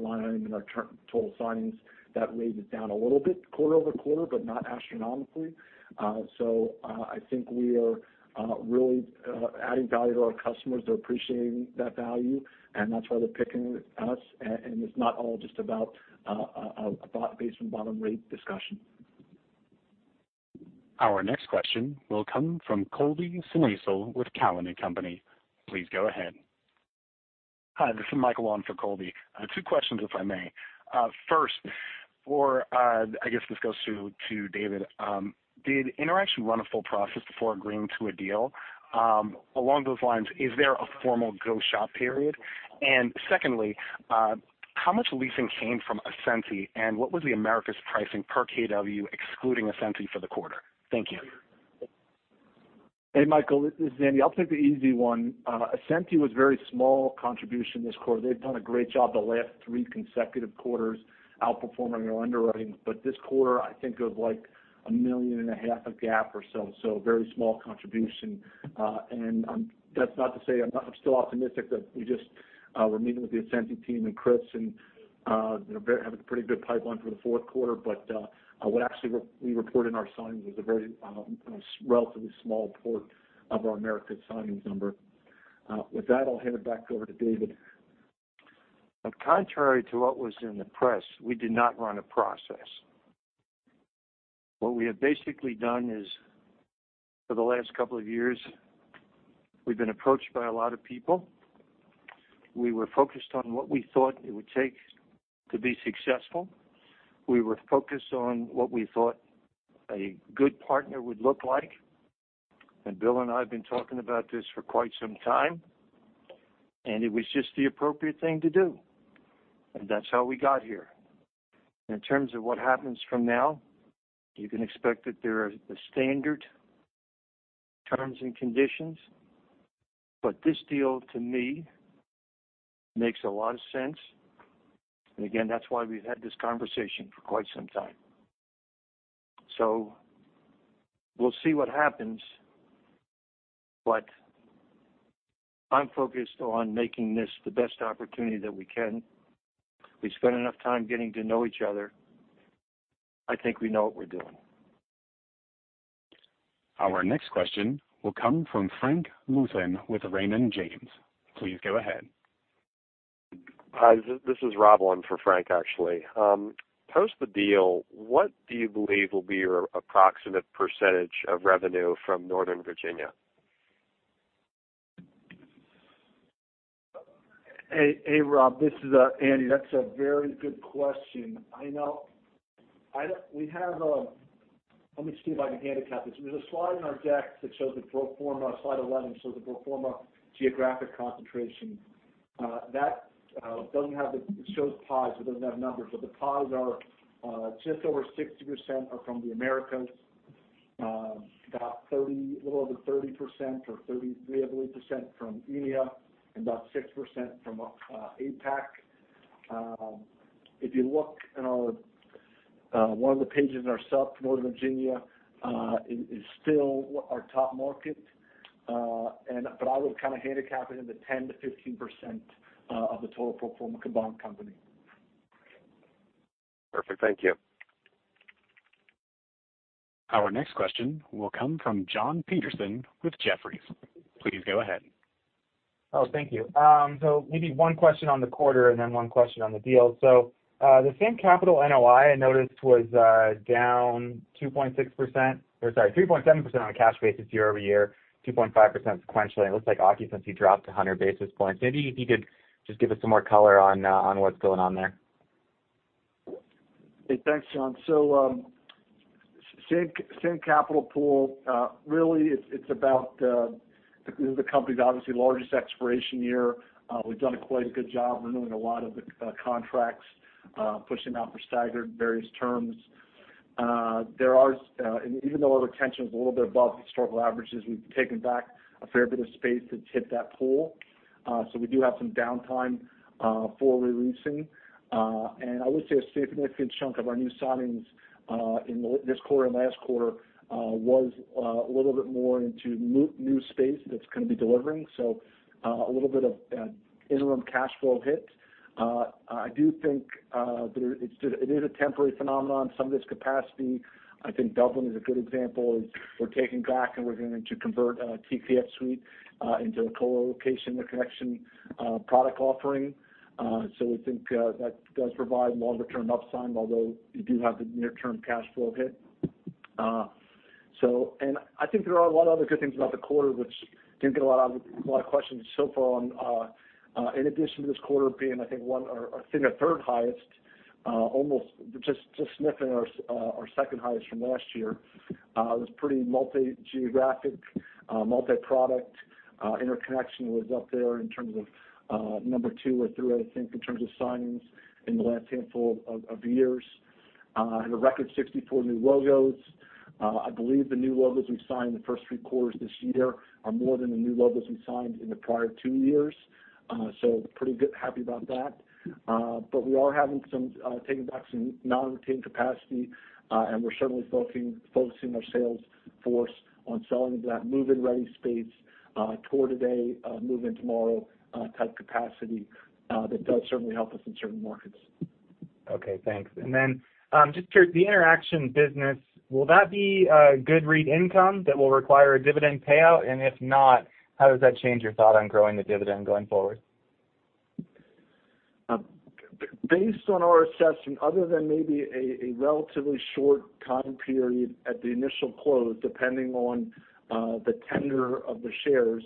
S5: line and our total signings. That rate is down a little bit quarter-over-quarter, but not astronomically. I think we are really adding value to our customers. They're appreciating that value, and that's why they're picking us, and it's not all just about a base and bottom rate discussion.
S1: Our next question will come from Colby Synesael with Cowen and Company. Please go ahead.
S10: Hi, this is Michael on for Colby. Two questions, if I may. First for, I guess this goes to David. Did Interxion run a full process before agreeing to a deal? Along those lines, is there a formal go shop period? Secondly, how much leasing came from Ascenty, and what was the Americas pricing per kW excluding Ascenty for the quarter? Thank you.
S5: Hey, Michael, this is Andy. I'll take the easy one. Ascenty was very small contribution this quarter. They've done a great job the last three consecutive quarters outperforming our underwriting. This quarter, I think it was like $1.5 million of GAAP or so. A very small contribution. That's not to say I'm not still optimistic that we just were meeting with the Ascenty team and Chris and have a pretty good pipeline for the fourth quarter. What actually we report in our signings was a very relatively small part of our Americas signings number. With that, I'll hand it back over to David.
S4: Contrary to what was in the press, we did not run a process. What we have basically done is for the last couple of years, we've been approached by a lot of people. We were focused on what we thought it would take to be successful. We were focused on what we thought a good partner would look like. Bill and I have been talking about this for quite some time, and it was just the appropriate thing to do. That's how we got here. In terms of what happens from now, you can expect that there are the standard terms and conditions, but this deal to me makes a lot of sense. Again, that's why we've had this conversation for quite some time. We'll see what happens, but I'm focused on making this the best opportunity that we can. We've spent enough time getting to know each other. I think we know what we're doing.
S1: Our next question will come from Frank Louthan with Raymond James. Please go ahead.
S11: Hi, this is Rob on for Frank, actually. Post the deal, what do you believe will be your approximate percentage of revenue from Northern Virginia?
S5: Hey, Rob. This is Andy. That's a very good question. Let me see if I can handicap this. There's a slide in our deck that shows the pro forma. Slide 11 shows the pro forma geographic concentration. It shows pods, it doesn't have numbers. The pods are just over 60% are from the Americas. About a little over 30% or 33%, I believe, from EMEA and about 6% from APAC. If you look in one of the pages in our supplement, Virginia is still our top market. I would kind of handicap it into 10%-15% of the total pro forma combined company.
S11: Perfect. Thank you.
S1: Our next question will come from Jon Petersen with Jefferies. Please go ahead.
S12: Thank you. Maybe one question on the quarter and then one question on the deal. The same capital NOI, I noticed, was down 2.6%, or sorry, 3.7% on a cash basis year-over-year, 2.5% sequentially. It looks like occupancy dropped 100 basis points. Maybe if you could just give us some more color on what's going on there.
S5: Hey, thanks, John. Same capital pool. Really, it's about the company's obviously largest expiration year. We've done a quite good job renewing a lot of the contracts, pushing out for staggered various terms. Even though our retention is a little bit above historical averages, we've taken back a fair bit of space that's hit that pool. We do have some downtime for re-leasing. I would say a significant chunk of our new signings in this quarter and last quarter was a little bit more into new space that's going to be delivering. A little bit of interim cash flow hit. I do think it is a temporary phenomenon. Some of this capacity, I think Dublin is a good example, is we're taking back and we're going to convert a TPF suite into a colocation interconnection product offering. We think that does provide longer-term upside, although you do have the near-term cash flow hit. I think there are a lot of other good things about the quarter, which didn't get a lot of questions so far on. In addition to this quarter being, I think, our third highest, almost just sniffing our second highest from last year. It was pretty multi-geographic, multi-product. Interconnection was up there in terms of number 2 or 3, I think, in terms of signings in the last handful of years. Had a record 64 new logos. I believe the new logos we signed in the first 3 quarters this year are more than the new logos we signed in the prior 2 years. Pretty happy about that. We are taking back some non-retained capacity, and we're certainly focusing our sales force on selling that move-in ready space, tour today, move in tomorrow type capacity. That does certainly help us in certain markets.
S12: Okay, thanks. Just curious, the Interxion business, will that be a good REIT income that will require a dividend payout? If not, how does that change your thought on growing the dividend going forward?
S5: Based on our assessment, other than maybe a relatively short time period at the initial close, depending on the tender of the shares,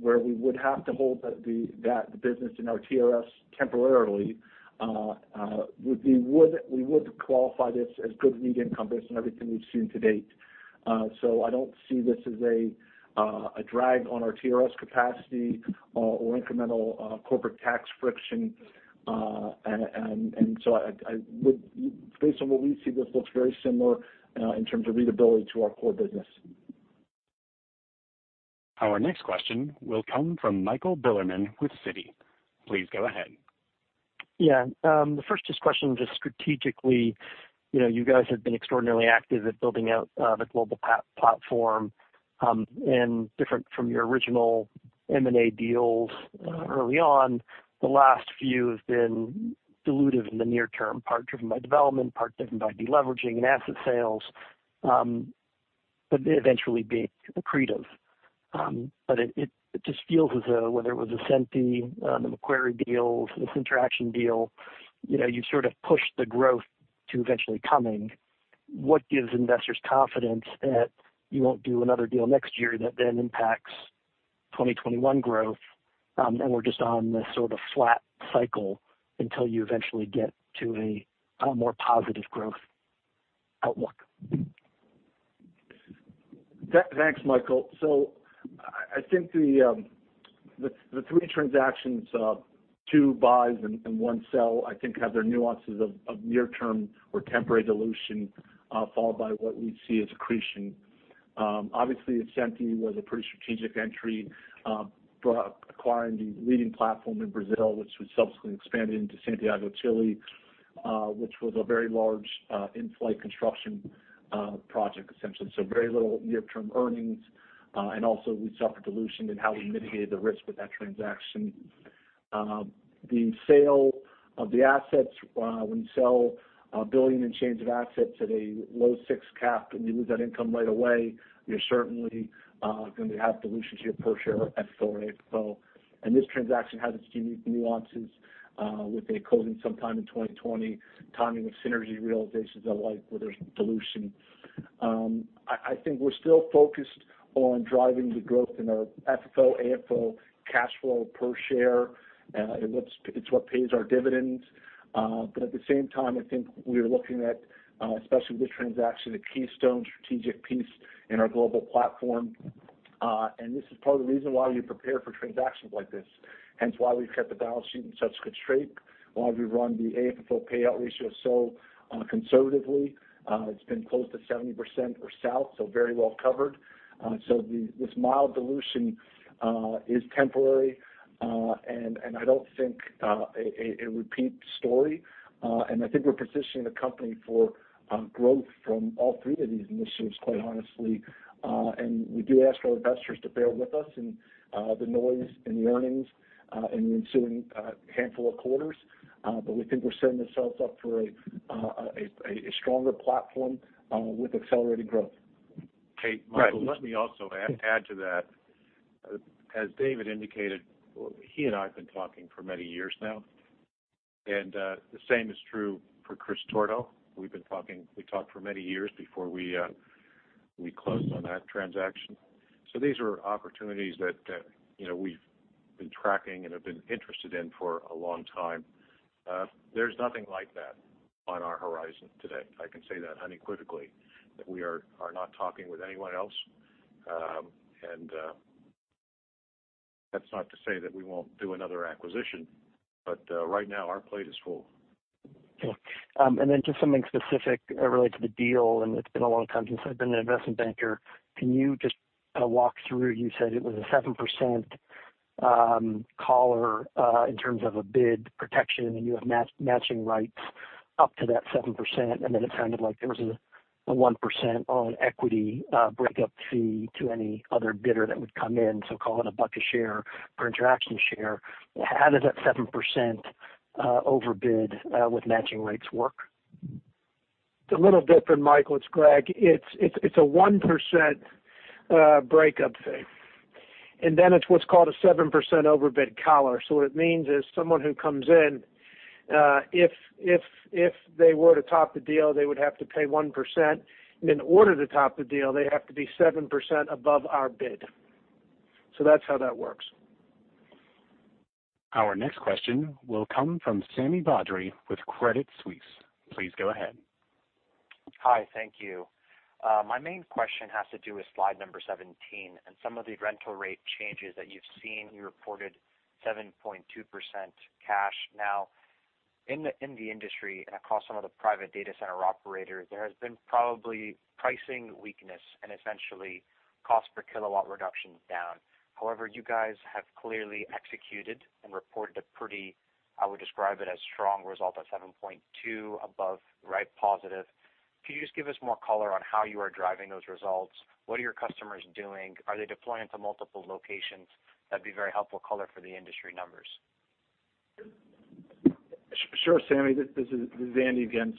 S5: where we would have to hold that business in our TRS temporarily, we would qualify this as good REIT income based on everything we've seen to date. I don't see this as a drag on our TRS capacity or incremental corporate tax friction. Based on what we see, this looks very similar in terms of REIT ability to our core business.
S1: Our next question will come from Michael Bilerman with Citi. Please go ahead.
S13: Yeah. The first just question, just strategically, you guys have been extraordinarily active at building out the global platform, and different from your original M&A deals early on. The last few have been dilutive in the near term, part driven by development, part driven by de-leveraging and asset sales, eventually being accretive. It just feels as though whether it was Ascenty, the Macquarie deals, this Interxion deal, you sort of pushed the growth to eventually coming. What gives investors confidence that you won't do another deal next year that then impacts 2021 growth, and we're just on this sort of flat cycle until you eventually get to a more positive growth outlook?
S5: Thanks, Michael. I think the 3 transactions, 2 buys and 1 sell, I think have their nuances of near-term or temporary dilution, followed by what we'd see as accretion. Obviously, Ascenty was a pretty strategic entry, acquiring the leading platform in Brazil, which would subsequently expand into Santiago, Chile, which was a very large in-flight construction project, essentially. Very little near-term earnings. Also we suffered dilution in how we mitigated the risk with that transaction. The sale of the assets, when you sell $1 billion and change of assets at a low 6 cap and you lose that income right away, you're certainly going to have dilution to your per share FFO and AFFO. This transaction has its unique nuances with a closing sometime in 2020. Timing of synergy realizations alike where there's dilution. I think we're still focused on driving the growth in our FFO, AFFO cash flow per share. It's what pays our dividends. At the same time, I think we're looking at, especially with this transaction, a keystone strategic piece in our global platform. This is part of the reason why we prepare for transactions like this, hence why we've kept the balance sheet in such good shape, why we run the AFFO payout ratio so conservatively. It's been close to 70% or south, very well covered. This mild dilution is temporary, and I don't think a repeat story. I think we're positioning the company for growth from all three of these initiatives, quite honestly. We do ask our investors to bear with us in the noise and the earnings in the ensuing handful of quarters, but we think we're setting ourselves up for a stronger platform with accelerated growth.
S3: Hey, Michael, let me also add to that. As David indicated, he and I have been talking for many years now, and the same is true for Chris Torto. We talked for many years before we closed on that transaction. These are opportunities that we've been tracking and have been interested in for a long time. There's nothing like that on our horizon today. I can say that unequivocally, that we are not talking with anyone else. That's not to say that we won't do another acquisition, but right now our plate is full.
S13: Okay. Then just something specific related to the deal, it's been a long time since I've been an investment banker. Can you just kind of walk through, you said it was a 7% collar in terms of a bid protection, and you have matching rights up to that 7%. Then it sounded like there was a 1% on equity breakup fee to any other bidder that would come in. Call it $1 a share per Interxion share. How does that 7% overbid with matching rights work?
S8: It's a little different, Michael. It's Greg. It's a 1% breakup fee, and then it's what's called a 7% overbid collar. What it means is someone who comes in, if they were to top the deal, they would have to pay 1%, and in order to top the deal, they'd have to be 7% above our bid. That's how that works.
S1: Our next question will come from Sami Badri with Credit Suisse. Please go ahead.
S14: Hi. Thank you. My main question has to do with slide number 17 and some of the rental rate changes that you've seen. You reported 7.2% cash. Now, in the industry and across some of the private data center operators, there has been probably pricing weakness and essentially cost per kilowatt reduction down. However, you guys have clearly executed and reported a pretty, I would describe it as strong result of 7.2 above, right, positive. Can you just give us more color on how you are driving those results? What are your customers doing? Are they deploying to multiple locations? That'd be very helpful color for the industry numbers.
S5: Sure, Sami. This is Andy again.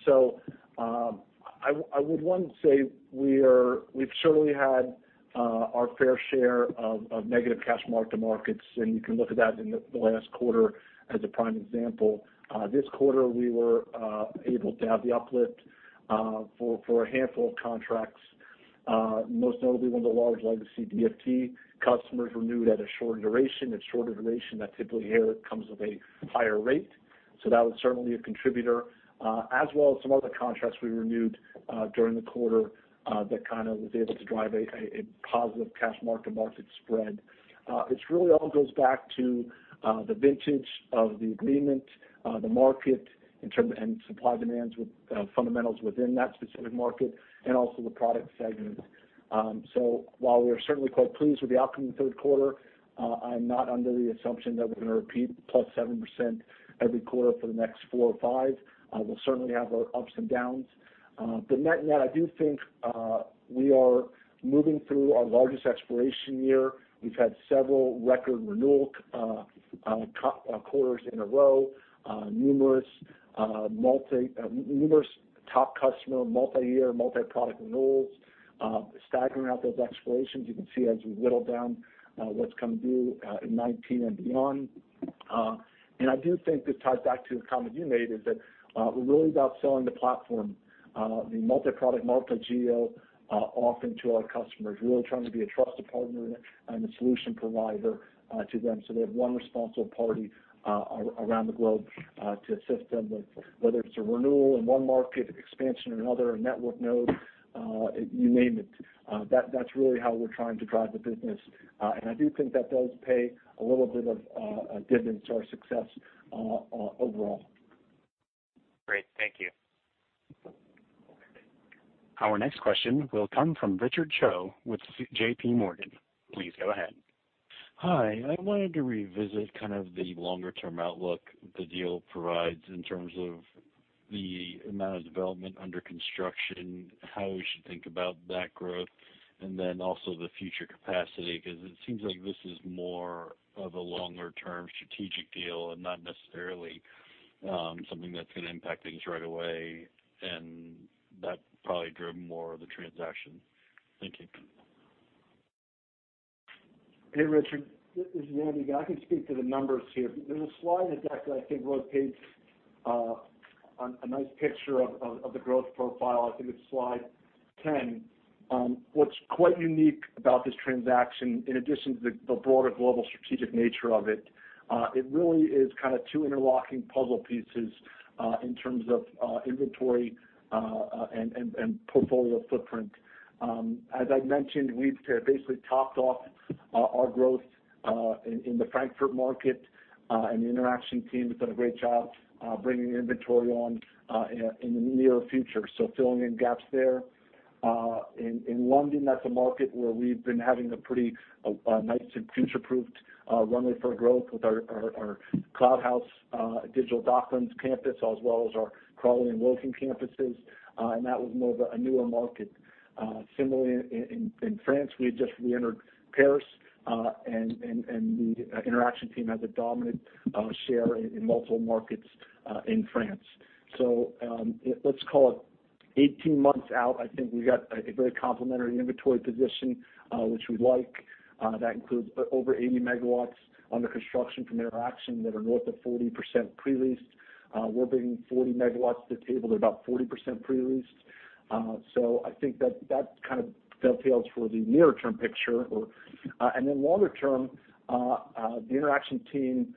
S5: I would, one, say we've certainly had our fair share of negative cash mark-to-markets, and you can look at that in the last quarter as a prime example. This quarter, we were able to have the uplift for a handful of contracts. Most notably, one of the large legacy DFT customers renewed at a shorter duration. At shorter duration, that typically comes with a higher rate. That was certainly a contributor, as well as some other contracts we renewed during the quarter that was able to drive a positive cash mark-to-market spread. It really all goes back to the vintage of the agreement, the market, and supply demands with fundamentals within that specific market, and also the product segments. While we are certainly quite pleased with the outcome in the third quarter, I'm not under the assumption that we're going to repeat 7% every quarter for the next four or five. We'll certainly have our ups and downs. Net, I do think we are moving through our largest expiration year. We've had several record renewal quarters in a row. Numerous top customer multi-year, multi-product renewals, staggering out those expirations. You can see as we whittle down what's coming due in 2019 and beyond. I do think this ties back to the comment you made, is that we're really about selling the platform, the multi-product, multi-geo offering to our customers. We're really trying to be a trusted partner and a solution provider to them so they have one responsible party around the globe to assist them with, whether it's a renewal in one market, expansion in another, a network node, you name it. That's really how we're trying to drive the business. I do think that does pay a little bit of a dividend to our success overall.
S14: Great. Thank you.
S1: Our next question will come from Richard Choe with JPMorgan. Please go ahead.
S15: Hi. I wanted to revisit kind of the longer-term outlook the deal provides in terms of the amount of development under construction, how we should think about that growth, and then also the future capacity, because it seems like this is more of a longer-term strategic deal and not necessarily something that's going to impact things right away, and that probably drove more of the transaction. Thank you.
S5: Hey, Richard. This is Andy. I can speak to the numbers here. There's a slide deck that I think A nice picture of the growth profile, I think it's slide 10. What's quite unique about this transaction, in addition to the broader global strategic nature of it really is two interlocking puzzle pieces in terms of inventory and portfolio footprint. As I mentioned, we've basically topped off our growth in the Frankfurt market, and the Interxion team has done a great job bringing inventory on in the near future, so filling in gaps there. In London, that's a market where we've been having a pretty nice and future-proofed runway for growth with our Cloud House Digital Docklands campus, as well as our Crawley and Woking campuses. That was more of a newer market. Similarly, in France, we had just reentered Paris, and the Interxion team has a dominant share in multiple markets in France. Let's call it 18 months out, I think we've got a very complementary inventory position, which we like. That includes over 80 megawatts under construction from Interxion that are north of 40% pre-leased. We're bringing 40 megawatts to the table. They're about 40% pre-leased. I think that dovetails for the near term picture. Longer term, the Interxion team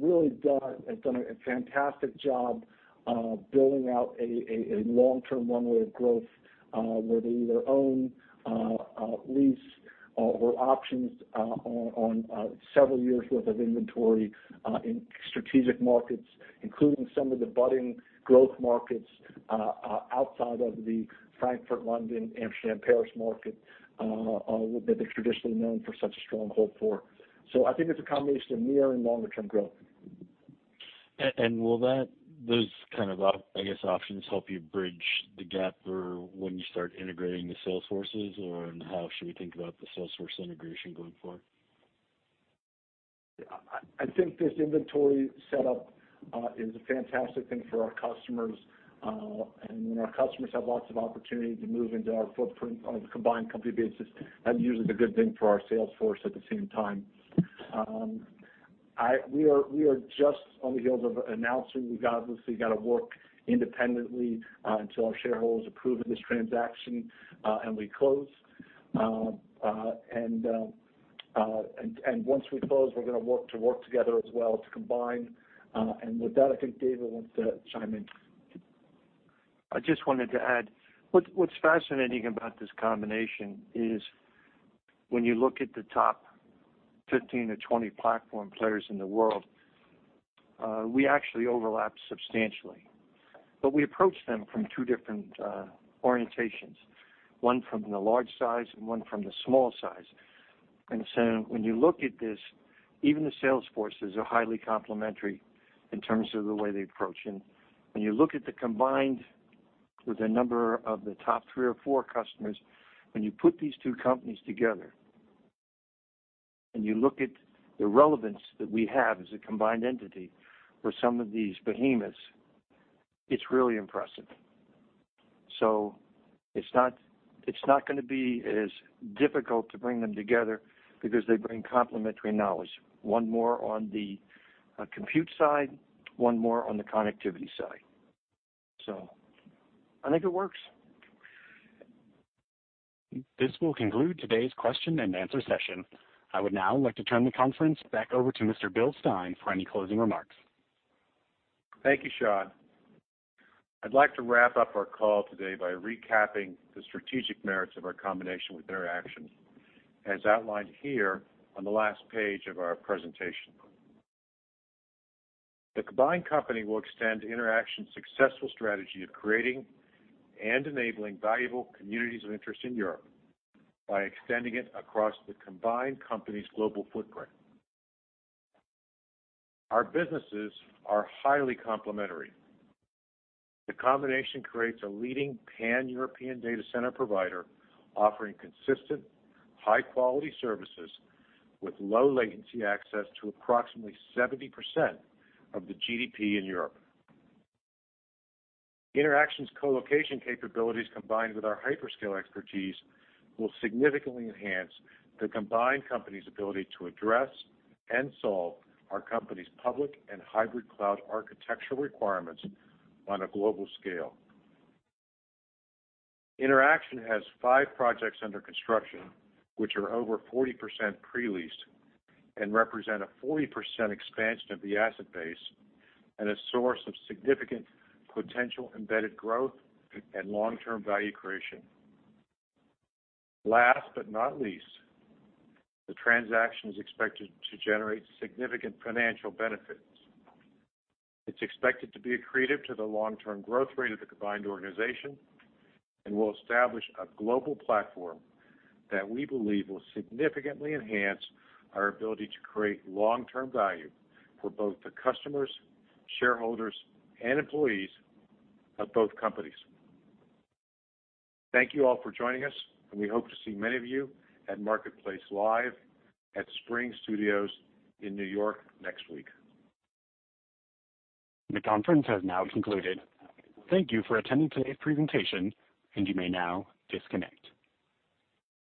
S5: really has done a fantastic job building out a long-term runway of growth, where they either own, lease, or options on several years worth of inventory in strategic markets, including some of the budding growth markets outside of the Frankfurt, London, Amsterdam, Paris market that they're traditionally known for such a stronghold for. I think it's a combination of near and longer term growth.
S15: Will those, I guess, options help you bridge the gap for when you start integrating the sales forces, or how should we think about the sales force integration going forward?
S5: I think this inventory set up is a fantastic thing for our customers. When our customers have lots of opportunity to move into our footprint on a combined company basis, that's usually a good thing for our sales force at the same time. We are just on the heels of announcing. We've obviously got to work independently until our shareholders approve of this transaction and we close. Once we close, we're going to work together as well to combine. With that, I think David wants to chime in.
S4: I just wanted to add, what's fascinating about this combination is when you look at the top 15-20 platform players in the world, we actually overlap substantially. We approach them from two different orientations, one from the large size and one from the small size. When you look at this, even the sales forces are highly complementary in terms of the way they approach. When you look at the combined with the number of the top three or four customers, when you put these two companies together, you look at the relevance that we have as a combined entity for some of these behemoths, it's really impressive. It's not going to be as difficult to bring them together because they bring complementary knowledge. One more on the compute side, one more on the connectivity side. I think it works.
S1: This will conclude today's question and answer session. I would now like to turn the conference back over to Mr. Bill Stein for any closing remarks.
S3: Thank you, Sean. I'd like to wrap up our call today by recapping the strategic merits of our combination with Interxion, as outlined here on the last page of our presentation. The combined company will extend Interxion's successful strategy of creating and enabling valuable communities of interest in Europe by extending it across the combined company's global footprint. Our businesses are highly complementary. The combination creates a leading Pan-European data center provider offering consistent high-quality services with low latency access to approximately 70% of the GDP in Europe. Interxion's colocation capabilities, combined with our hyperscale expertise, will significantly enhance the combined company's ability to address and solve our company's public and hybrid cloud architectural requirements on a global scale. Interxion has five projects under construction, which are over 40% pre-leased and represent a 40% expansion of the asset base and a source of significant potential embedded growth and long-term value creation. Last but not least, the transaction is expected to generate significant financial benefits. It's expected to be accretive to the long-term growth rate of the combined organization and will establish a global platform that we believe will significantly enhance our ability to create long-term value for both the customers, shareholders, and employees of both companies. Thank you all for joining us, and we hope to see many of you at MarketplaceLIVE at Spring Studios in New York next week.
S1: The conference has now concluded. Thank you for attending today's presentation, and you may now disconnect.